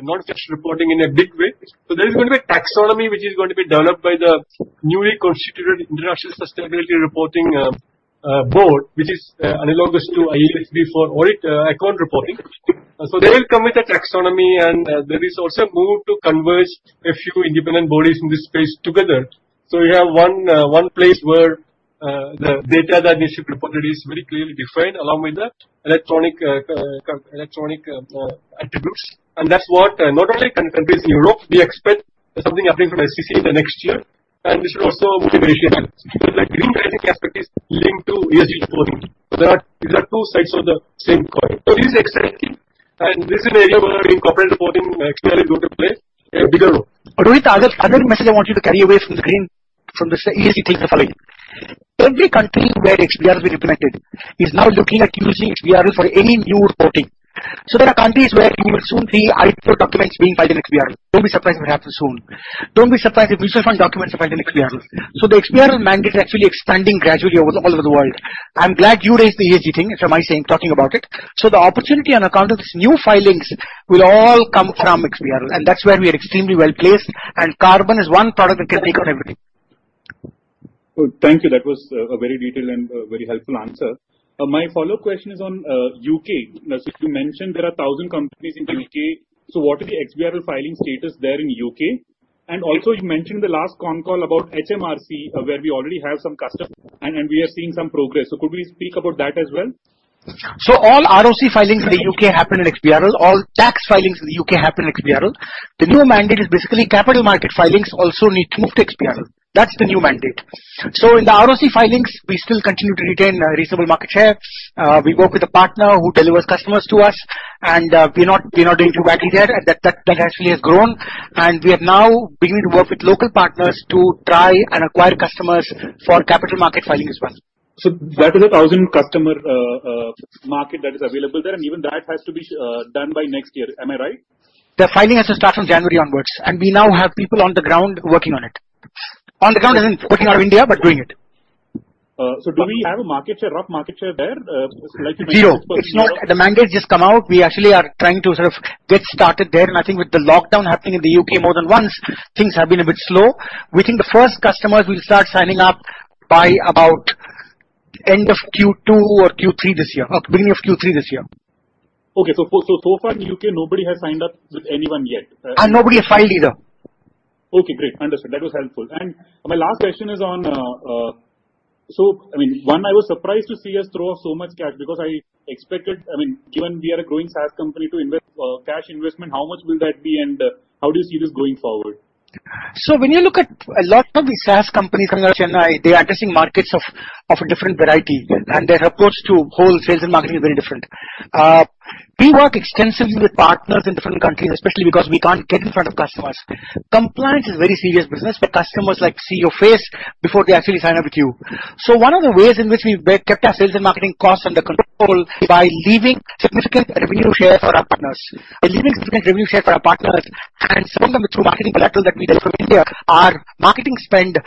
non-financial reporting in a big way. There is going to be a taxonomy, which is going to be developed by the newly constituted International Sustainability Standards Board, which is analogous to IASB for account reporting. They will come with a taxonomy, and there is also a move to converge a few independent bodies in this space together. You have one place where the data that you should report is very clearly defined along with the electronic attributes. That's what not only in case Europe, we expect something happening from ICC the next year, and this will also motivate India because the green finance aspect is linked to ESG reporting. There are two sides of the same coin. This is exciting, and this is the area where corporate reporting, XBRL will play a bigger role. Rohit, the other message I want you to carry away from this ESG thing is the following. Every country where XBRL has been implemented is now looking at using XBRL for any new reporting. There are countries where you would soon see IPO documents being filed in XBRL. Don't be surprised when you have to soon. Don't be surprised if user fund documents are filed in XBRL. The XBRL mandate is actually expanding gradually all over the world. I'm glad you raised the ESG thing, so I'm talking about it. The opportunity on account of this new filings will all come from XBRL, and that's where we are extremely well-placed, and IRIS CARBON is one product that can take advantage. Thank you. That was a very detailed and very helpful answer. My follow-up question is on U.K. You mentioned there are 1,000 companies in the U.K. What is the XBRL filing status there in U.K.? Also, you mentioned in the last concall about HMRC, where we already have some customers, and we are seeing some progress. Could we speak about that as well? All ROC filings in the U.K. happen with iXBR. All tax filings in the U.K. happen with iXBR. The new mandate is capital market filings also need to move to iXBRL. That's the new mandate. In the ROC filings, we still continue to retain a reasonable market share. We work with a partner who delivers customers to us, and we're not doing too badly there. That actually has grown, and we are now beginning to work with local partners to try and acquire customers for capital market filings as well. That is a 1,000-customer market that is available there, and even that has to be done by next year. Am I right? The filing has to start from January onwards, and we now have people on the ground working on it. On the ground as in working out India, but doing it. Do we have a market share, rough market share there? Zero. The mandate just came out. We actually are trying to sort of get started there. I think with the lockdown happening in the U.K. more than once, things have been a bit slow. We think the first customers will start signing up by about end of Q2 or Q3 this year or beginning of Q3 this year. Okay. Far in the U.K., nobody has signed up with anyone yet. Nobody has filed either. Okay, great. Understood. That was helpful. My last question is, I was surprised to see us throw so much cash because I expected, given we are a growing SaaS company, to invest cash investment, how much will that be, and how do you see this going forward? When you look at a lot of these SaaS companies in the U.S. and they're addressing markets of a different variety, and their approach to whole sales and marketing is very different. We work extensively with partners in different countries, especially because we can't get in front of customers. Compliance is a very serious business, where customers like to see your face before they actually sign up with you. One of the ways in which we kept our sales and marketing costs under control is by leaving significant revenue share for our partners, and some of them through marketing platforms like we do from India. Our marketing spend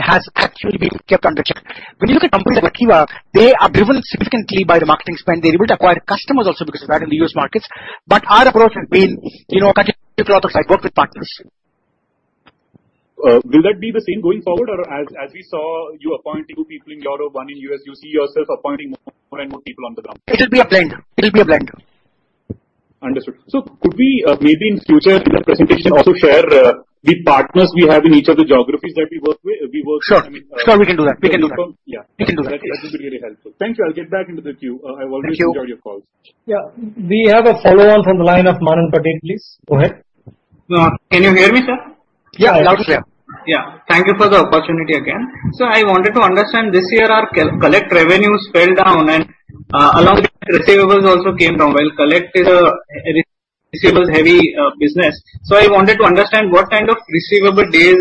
has actually been kept under check. When you look at companies like Acquia, they are driven significantly by their marketing spend. They even acquire customers also because it's a mature markets, but our approach has been quite different. We work with partners. Will that be the same going forward? As we saw you appoint two people in Europe, one in U.S., you see yourself appointing more and more people on the ground. It'll be a blend. Understood. Could we maybe in future in the presentation also share the partners we have in each of the geographies that we work with? Sure. Sure, we can do that. We can confirm? We can do that, yes. That'll be really helpful. Thanks. I'll get back into the queue. Thank you. I've already enjoyed your calls. Yeah, we have a follow-up from the line of Manan Patel, please go ahead. Can you hear me, sir? Yeah, loud and clear. Yeah. Thank you for the opportunity again. I wanted to understand, this year our Collect revenue scaled down and a lot of receivables also came down. Collect is a receivables-heavy business. I wanted to understand what kind of receivable days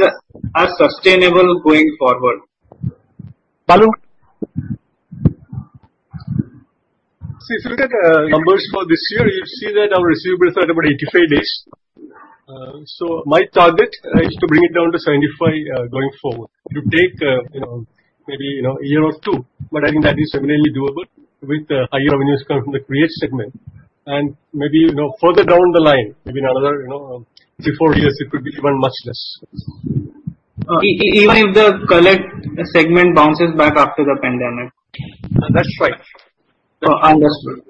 are sustainable going forward. If you look at numbers for this year, you'll see that our receivables are about 85 days. My target is to bring it down to 75 going forward. It'll take maybe a year or two, but I think that is certainly doable with the higher awareness coming from the Create segment and maybe further down the line, maybe another three, four years, it could be even much less. Even if the Collect segment bounces back after the pandemic? That's right. Understood.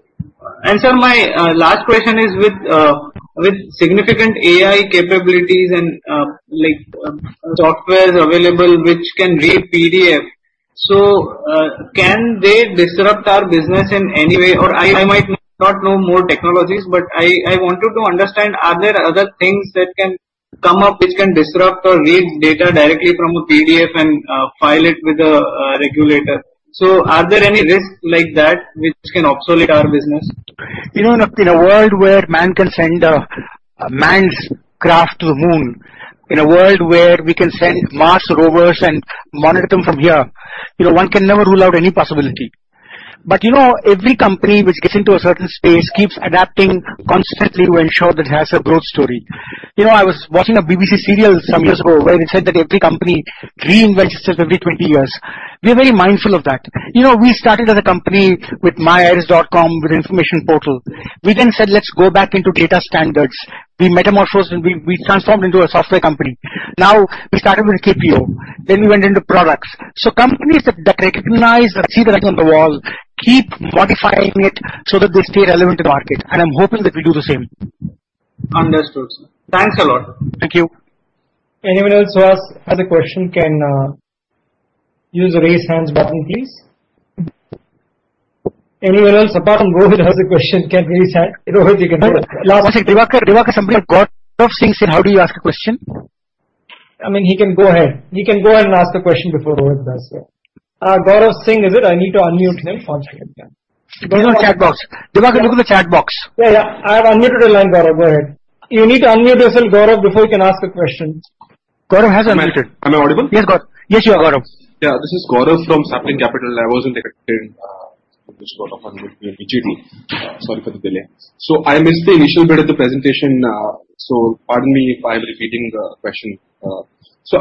Sir, my last question is with significant AI capabilities and softwares available which can read PDF, so can they disrupt our business in any way? I might not know more technologies, but I wanted to understand are there other things that can come up which can disrupt or read data directly from a PDF and file it with a regulator? Are there any risks like that which can obsolete our business? In a world where man can send a man's craft to the moon, in a world where we can send Mars Rovers and monitor them from here, one can never rule out any possibility. Every company which gets into a certain space keeps adapting constantly to ensure that it has a growth story. I was watching a BBC series some years ago where they said that every company reinvents itself every 20 years. We are very mindful of that. We started as a company with myiris.com, with information portal. We said, let's go back into data standards. We metamorphosed, we transformed into a software company. We started with KPO, then we went into products. Companies that recognize and see the writing on the wall keep modifying it so that they stay relevant in the market, and I'm hoping that we do the same. Understood, sir. Thanks a lot. Thank you. Anyone else who has any question can use the Raise Hands button, please. Anyone else apart from Gaurav who has a question can raise hand? Gaurav, since you have got things in, how do you ask a question? He can go ahead. He can go and ask the question before whoever has their hand up. Gaurav's saying is it, I need to unmute myself? One second. Go to your chat box. Go back into the chat box. I have unmuted your line, Gaurav. Go ahead. You need to unmute yourself, Gaurav, before you can ask your question. Gaurav hasn't unmuted. Am I audible? Yes, Gaurav. Yes, you are. Yeah, this is Gaurav from Sapphire Capital. I wasn't connected to this call unfortunately due to GTD. Sorry for the delay. I missed the initial bit of the presentation, so pardon me if I'm repeating the question.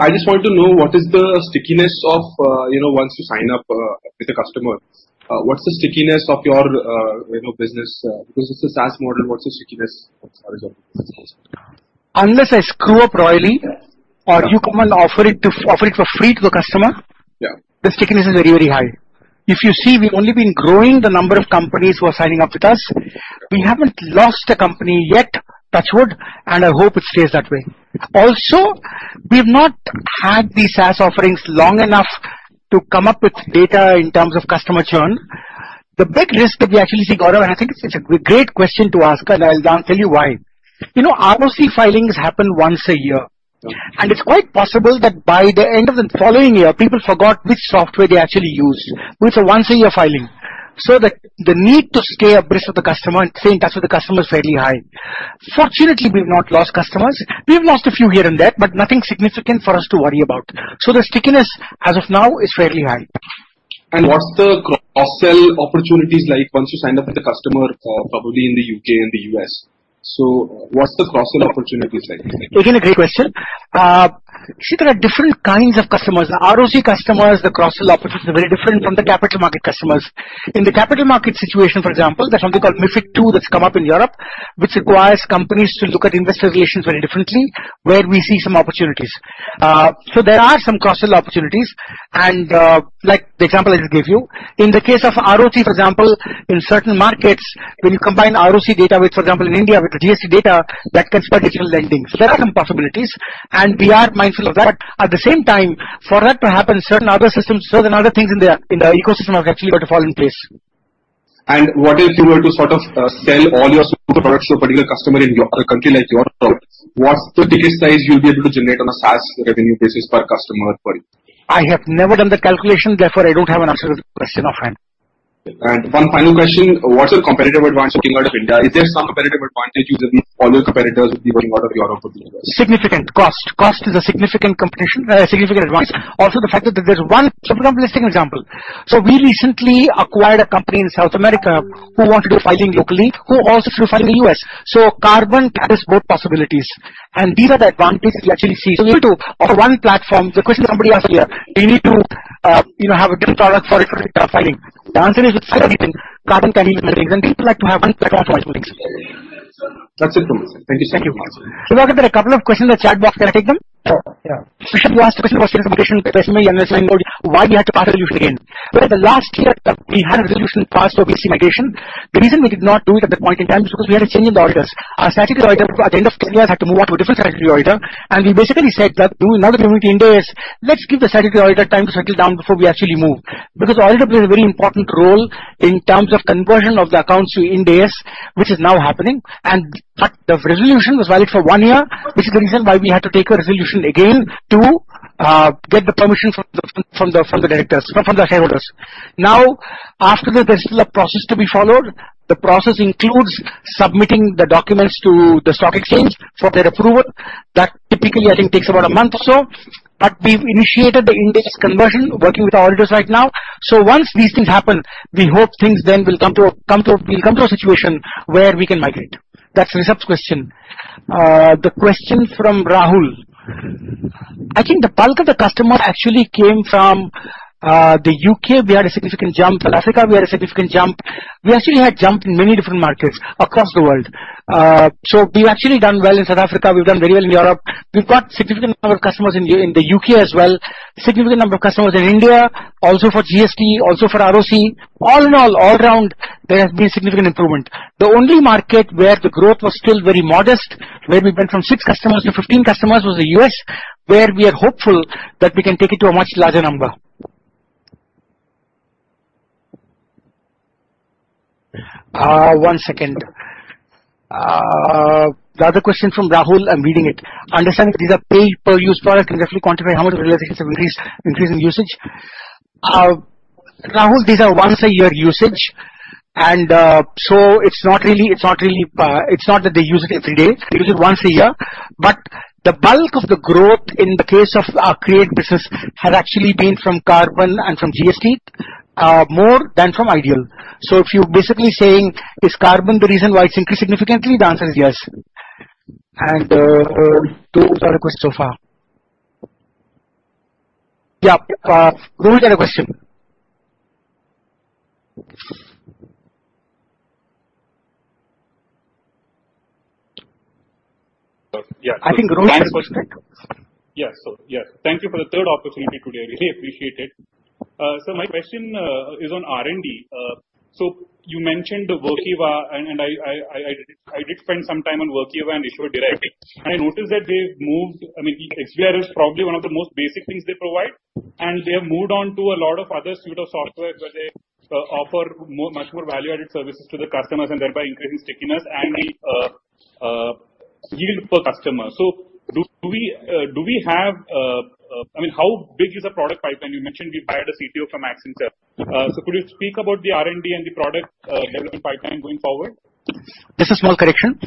I just want to know what is the stickiness of once you sign up with a customer, what's the stickiness of your business? Because it's a SaaS model, what's the stickiness of the business? Unless I screw up royally or you come and offer it for free to a customer. Yeah. The stickiness is really high. If you see, we've only been growing the number of companies who are signing up with us. We haven't lost a company yet, touch wood, and I hope it stays that way. We've not had these SaaS offerings long enough to come up with data in terms of customer churn. The big risk that we actually got around, I think it's a great question to ask, and I'll tell you why. ROC filings happen once a year, and it's quite possible that by the end of the following year, people forgot which software they actually used, which is a once-a-year filing. The need to stay abreast of the customer and stay in touch with the customer is very high. Fortunately, we've not lost customers. We've lost a few here and there, but nothing significant for us to worry about. The stickiness as of now is very high. What's the cross-sell opportunities like once you sign up with a customer probably in the U.K. and the U.S.? What's the cross-sell opportunities like? A great question. There are different kinds of customers. The ROC customers, the cross-sell opportunities are very different from the capital market customers. In the capital market situation, for example, there is something called MiFID II that has come up in Europe, which requires companies to look at investor relations very differently, where we see some opportunities. There are some cross-sell opportunities, and like the example I gave you. In the case of ROC, for example, in certain markets, when you combine ROC data with, for example, in India, with GST data, that can spur digitalization. There are some opportunities, and we are mindful of that. At the same time, for that to happen, certain other systems, certain other things in the ecosystem have actually got to fall in place. What if you were to sell all your products to a particular customer in your country, like your products? What's the daily size you'll be able to generate on a SaaS revenue basis per customer point? I have never done the calculation, therefore, I don't have an answer to the question offhand. One final question. What's your competitive advantage looking out of India? Is there some competitive advantage usually all your competitors will be wanting a lot of companies? Significant. Cost. Cost is a significant advantage. The fact that there's one super interesting example. We recently acquired a company in South America who wanted to do filing locally, who also do filing in the U.S. Carbon covers both possibilities, and these are the advantages we actually see. Do you need to, on one platform, the question somebody asked earlier, do you need to have a different product for a different type of filing? The answer is just file everything. Carbon can handle everything. People like to have one platform for everything. That's it, bro. Thank you so much. There might be a couple of questions in the chat box that I take in. Sure. Yeah. Shishir wants to ask a question about the resolution with the SME and the listing board why we have to pass a resolution again. In the last year, we had a resolution to pass ROC e-mediation. The reason we did not do it at that point in time is because we were changing the auditors. Our statutory auditor, by the end of this year, had to move on to a different statutory auditor. We basically said that we will never do it Ind AS. Let's give the statutory auditor time to settle down before we actually move. The auditor plays a very important role in terms of conversion of the accounts to Ind AS, which is now happening. The resolution was valid for one year, which is the reason why we had to take a resolution again to get the permission from the directors, not from the shareholders. After that, there is still a process to be followed. The process includes submitting the documents to the stock exchange for their approval. That typically, I think, takes about a month or so. We've initiated the Ind AS conversion, working with the auditors right now. Once these things happen, we hope things then will come to a situation where we can migrate. That's Rishabh's question. The question from Rahul. I think the bulk of the customer actually came from the U.K., where I see a significant jump. South Africa, where I see a significant jump. We actually had jumped many different markets across the world. We've actually done well in South Africa. We've done well in Europe. We've got a significant number of customers in the U.K. as well, a significant number of customers in India, also for GST, also for ROC. All in all around, there's been a significant improvement. The only market where the growth was still very modest, where we went from six customers to 15 customers was the U.S., where we are hopeful that we can take it to a much larger number. One second. The other question from Rahul, I'm reading it. Understanding these are pay-per-use products, can you roughly quantify how much the relationship increases with increasing usage? Rahul, these are once-a-year usage. It's not that they use it every day. They use it once a year. The bulk of the growth in the case of our create business has actually been from Carbon and from GST more than from iDEAL. If you're basically saying, is Carbon the reason why it's increased significantly? The answer is yes. Those are the questions so far. Yeah, Rohit had a question. Yeah. I think Rohit has a question. Yeah. Thank you for the third opportunity today. I really appreciate it. My question is on R&D. You mentioned Workiva, and I did spend some time on Workiva initially directly. I noticed that they've moved, I think XBRL is probably one of the most basic things they provide, and they have moved on to a lot of other suite of softwares where they offer much more value-added services to the customers and thereby increasing stickiness and the yield per customer. How big is the product pipeline? You mentioned we hired a CTO from Accenture. Could you speak about the R&D and the product development pipeline going forward? Just a small correction.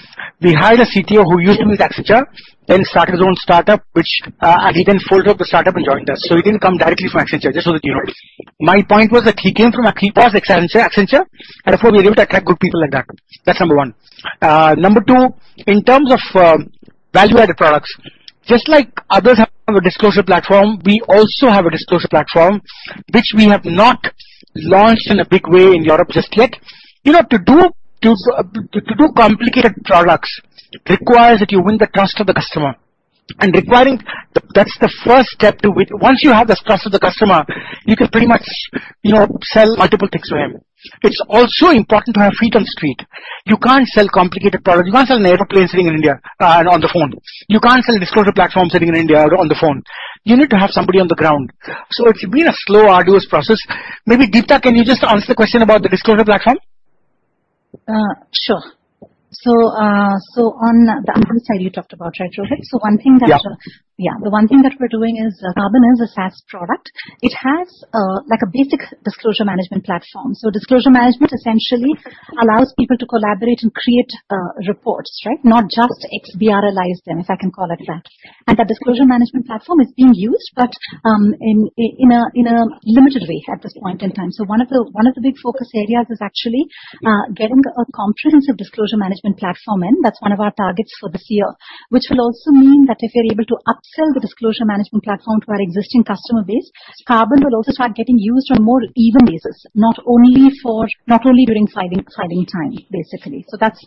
We hired a CTO who used to be with Accenture, then started his own startup, which he then folded up the startup and joined us. He didn't come directly from Accenture, just so you know. My point was that he came from a C-plus at Accenture, therefore, we looked at good people in that company. That's number one. Number two, in terms of value-added products, just like others have a disclosure platform, we also have a disclosure platform, which we have not launched in a big way in Europe just yet. To do complicated products requires that you win the trust of the customer. Acquiring, that's the first step to win. Once you have the trust of the customer, you can pretty much sell multiple things to them. It's also important to have freedom street. You can't sell complicated products, you can't sell labor place in India and on the phone. You can't sell disclosure platforms in India or on the phone. You need to have somebody on the ground. It's been a slow, arduous process. Maybe, Deepta, can you just answer the question about the disclosure platform? Sure. On the apps side, you talked about shareholder. Yeah The one thing that we're doing is IRIS Carbon as a SaaS product, it has a basic disclosure management platform. Disclosure management essentially allows people to collaborate and create reports. Not just XBRL items, if I can call it that. That disclosure management platform is being used, but in a limited way at this point in time. One of the big focus areas is actually getting a comprehensive disclosure management platform in. That's one of our targets for this year, which will also mean that if we are able to upsell the disclosure management platform to our existing customer base, IRIS Carbon will also start getting used on a more even basis, not only during filing time, basically. That's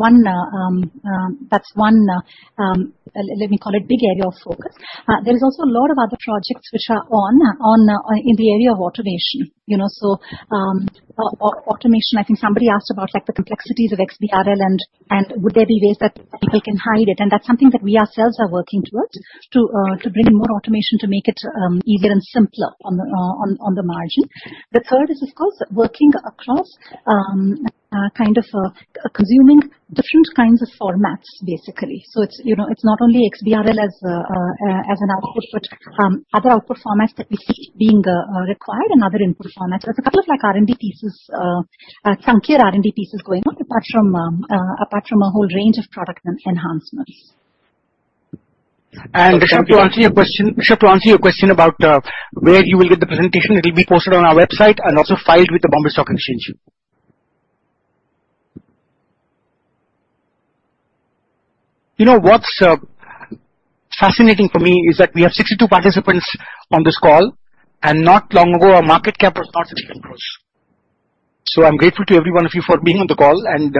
one, let me call it, big area of focus. There is also a lot of other projects which are on in the area of automation. Automation, I think somebody asked about the complexities of XBRL and would there be ways that people can hide it, and that's something that we ourselves are working towards to bring in more automation to make it easier and simpler on the margin. The third is, of course, working across consuming different kinds of formats, basically. It's not only XBRL as an output, but other output formats that we see being required and other input formats. There's a couple of R&D pieces, frontier R&D pieces going on apart from a whole range of product enhancements. Just to answer your question about where you will get the presentation, it will be posted on our website and also filed with the Bombay Stock Exchange. What's fascinating for me is that we have 62 participants on this call, and not long ago, our market cap was not INR 60 crores. I'm grateful to every one of you for being on the call, and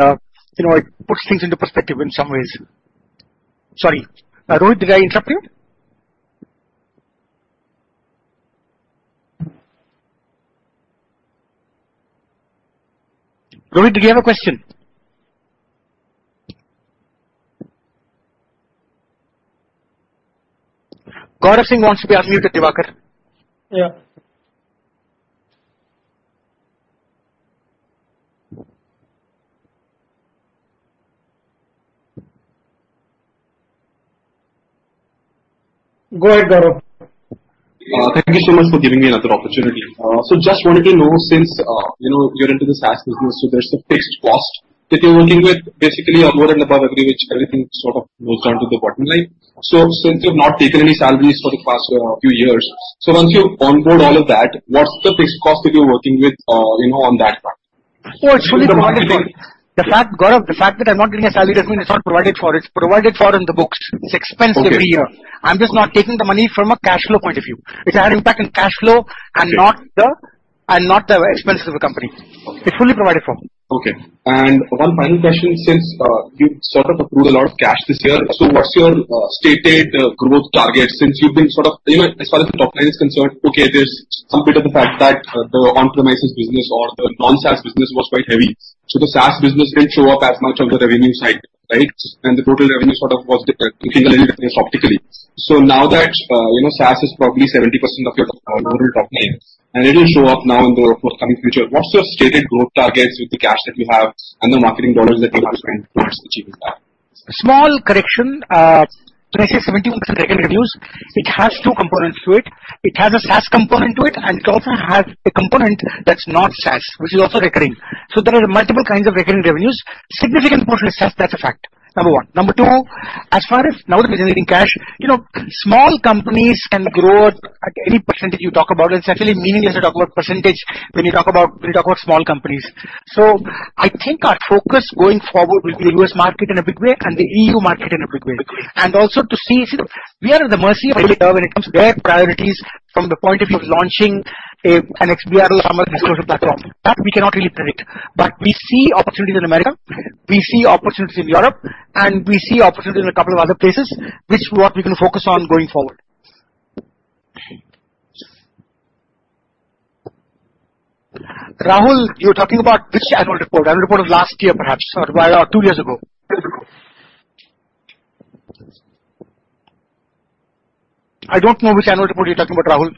it puts things into perspective in some ways. Sorry, Rohit, did I interrupt you? Rohit, did you have a question? Gaurav Singh wants to ask you, did you, Gaurav? Yeah. Go ahead, Gaurav. Thank you so much for giving me another opportunity. Just wanted to know since you're into the SaaS business, there's a fixed cost that you're working with, basically above and above everything, which everything sort of rolls down to the bottom line. Since you've not taken any salaries for the past few years, once you onboard all of that, what's the fixed cost that you're working with on that front? Oh, it's fully provided for. Gaurav, the fact that I've not taken a salary doesn't mean it's not provided for. It's provided for in the books. It's expense every year. I'm just not taking the money from a cash flow point of view. It has impact on cash flow. Yeah. Not the expenses of the company. It's fully provided for. Okay. One final question, since you've sort of accrued a lot of cash this year, what's your stated growth target? I saw the compliance concern. Okay, there's some bit of the fact that the on-premise business or the non-SaaS business was quite heavy. The SaaS business didn't show up as much on the revenue side, right? The total revenue sort of was different in the limited capacity. Now that SaaS is probably 70% of your overall top line, it will show up now in the, of course, coming future. What's your stated growth target with the cash that you have and the marketing dollars that you might spend towards achieving that? Small correction. When I say 70% recurring revenues, it has two components to it. It has a SaaS component to it, and it also has a component that's not SaaS, which is also recurring. There are multiple kinds of recurring revenues. Significant portion is SaaS, that's a fact, number one. Number two, as far as now that we are generating cash, small companies can grow at any percentage you talk about. Certainly meaningless to talk about percentage when you talk about small companies. I think our focus going forward will be the U.S. market in a big way and the EU market in a big way. Also, we are at the mercy of IRDA when it comes to their priorities from the point of view of launching an XBRL or disclosure platform. That we cannot really predict. We see opportunities in America, we see opportunities in Europe, and we see opportunities in a couple of other places, which we want to focus on going forward. Rahul, you're talking about which annual report? Annual report of last year perhaps, or two years ago? I don't know which annual report you're talking about, Rahul.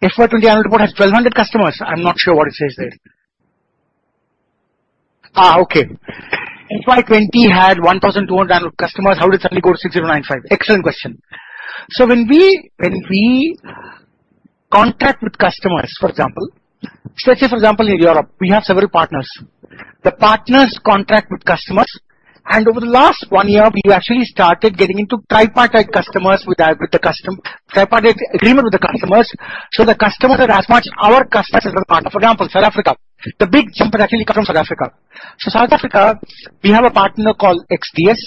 FY 2020 annual report has 1,200 customers. I'm not sure what he says there. Okay. FY 2020 had 1,200 customers. How did it suddenly go to 6,059? Excellent question. When we contract with customers, for example. Let's say, for example, in Europe, we have several partners. The partners contract with customers, and over the last one year, we've actually started getting into tripartite agreement with the customers. The customers are as much our customers as our partners. For example, South Africa. The big jump has actually come from South Africa. South Africa, we have a partner called XDS,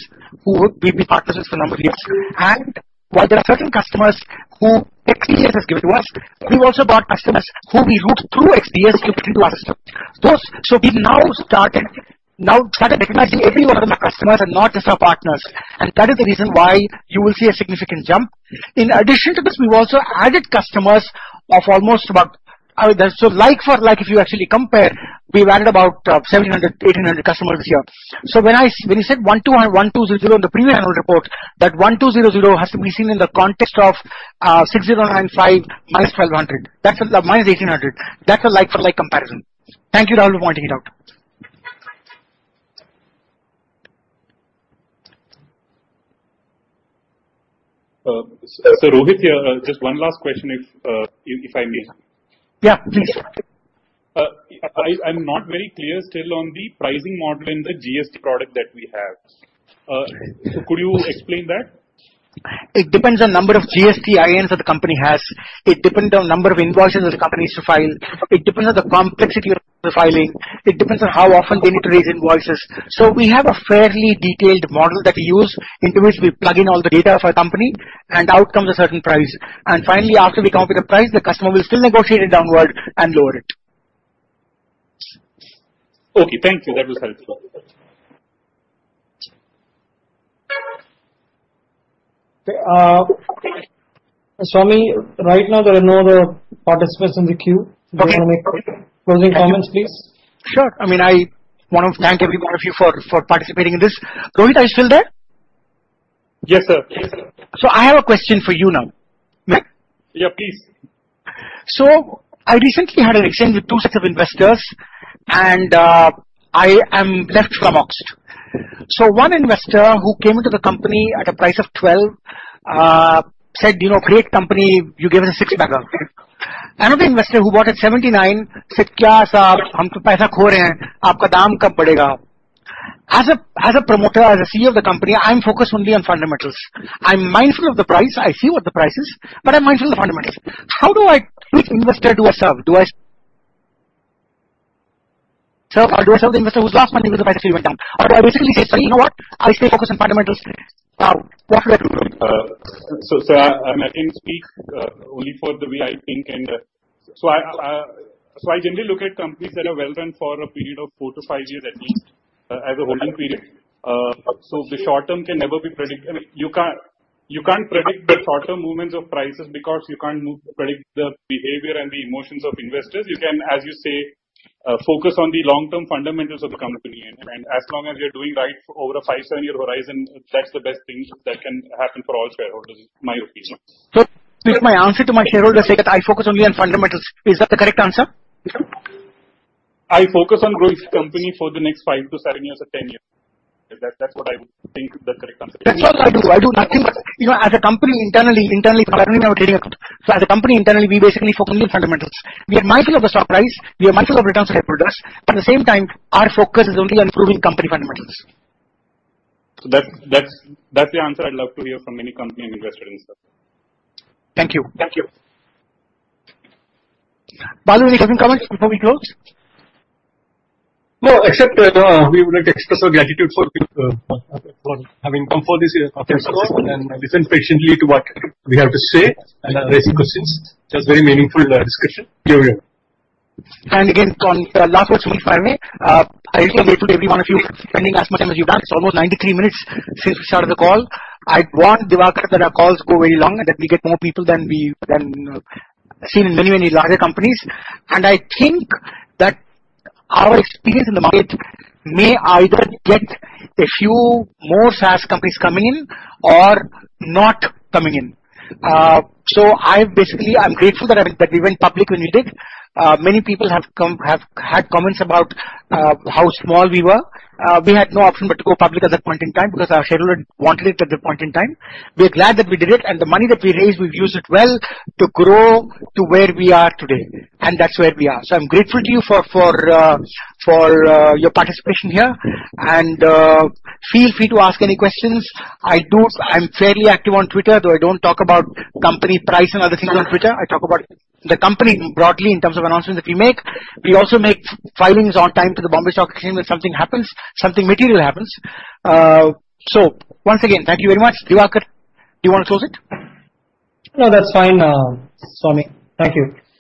who we've been partners with for a number of years. While there are certain customers who XDS is a gateway to us, we've also brought customers who we route through XDS to our system. We've now started recognizing every one of them as customers and not just our partners. That is the reason why you will see a significant jump. In addition to this, we've also added customers of almost about like for like, if you actually compare, we've added about 700, 800 customers here. When you said 1,200 in the premium annual report, that 1,200 has to be seen in the context of 6,095 minus 1,800. That's a like for like comparison. Thank you all who want to hear. Sir Rohit, just one last question, if you kindly may. Please. I'm not very clear still on the pricing model in the GST product that we have. Could you explain that? It depends on number of GSTINs that the company has. It depends on number of invoices the company needs to file. It depends on the complexity of the filing. It depends on how often going to create invoices. We have a fairly detailed model that we use into which we plug in all the data of a company, and out comes a certain price. Finally, after we copy the price, the customer will still negotiate it downward and lower it. Okay, thank you. That was helpful. Okay. Swamy, right now there are no other participants in the queue. Okay. Closing comments, please. Sure. I want to thank every one of you for participating in this. Rohit, are you still there? Yes, sir. I have a question for you now. Yeah, please. I recently had an exchange with two set of investors, and I am left bemused. One investor who came into the company at a price of 12, said, "Great company. You give him 60 back." Another investor who bought at 79 said, "Class up. As a promoter, as a CEO of the company, I'm focused only on fundamentals. I'm mindful of the price. I see what the price is, but I'm mindful of the fundamentals. How do I treat investor yourself? Do I say, "Sir," or do I say, "Listen, you lost money because of bad treatment." Do I basically say, "You know what? I'll just focus on fundamentals." What do I do, Rohit? Sir, I can speak only for the way I think. I generally look at companies that are well run for a period of four to five years, at least, as a holding period. The short term can never be predicted. You can't predict the short-term movements of prices because you can't predict the behavior and the emotions of investors. You can, as you say, focus on the long-term fundamentals of the company. As long as you're doing right over a five, seven year horizon, that's the best thing that can happen for all shareholders, in my opinion. My answer to my shareholder, say that I focus only on fundamentals. Is that the correct answer? I focus on growing this company for the next five to seven years or 10 years. That's what I would think is the correct answer. That's what I do. I do nothing but. Even at the company internally, apart from my radio account. At the company internally, we basically focus on fundamentals. We are mindful of the stock price, we are mindful of returns to shareholders, but at the same time, our focus is only on improving company fundamentals. That's the answer I'd love to hear from any company investor, sir. Thank you. Thank you. Balu, any comments before we close? No, except we would like to express our gratitude for having come for this investor call and listen patiently to what we have to say and ask questions. That's very meaningful discussion. Yeah. Again, last but certainly not the least, I really thank every one of you for spending as much time as you have. Almost 93 minutes since we started the call. I want, Diwakar, that our calls go very long and that we get more people than we see in many, many larger companies. I think that our experience in the market may either get a few more SaaS companies coming in or not coming in. Basically, I'm grateful that we went public when we did. Many people have had comments about how small we were. We had no option but to go public at that point in time because our shareholder had wanted it at that point in time. We're glad that we did it, and the money that we raised, we've used it well to grow to where we are today, and that's where we are. I'm grateful to you for your participation here. Feel free to ask any questions. I'm fairly active on Twitter, though I don't talk about company pricing and other stuff on Twitter. I talk about the company broadly in terms of announcements that we make. We also make filings on time to the Bombay Stock Exchange when something happens, something material happens. Once again, thank you very much. Diwakar, do you want to close it? No, that's fine, Swamy. Thank you.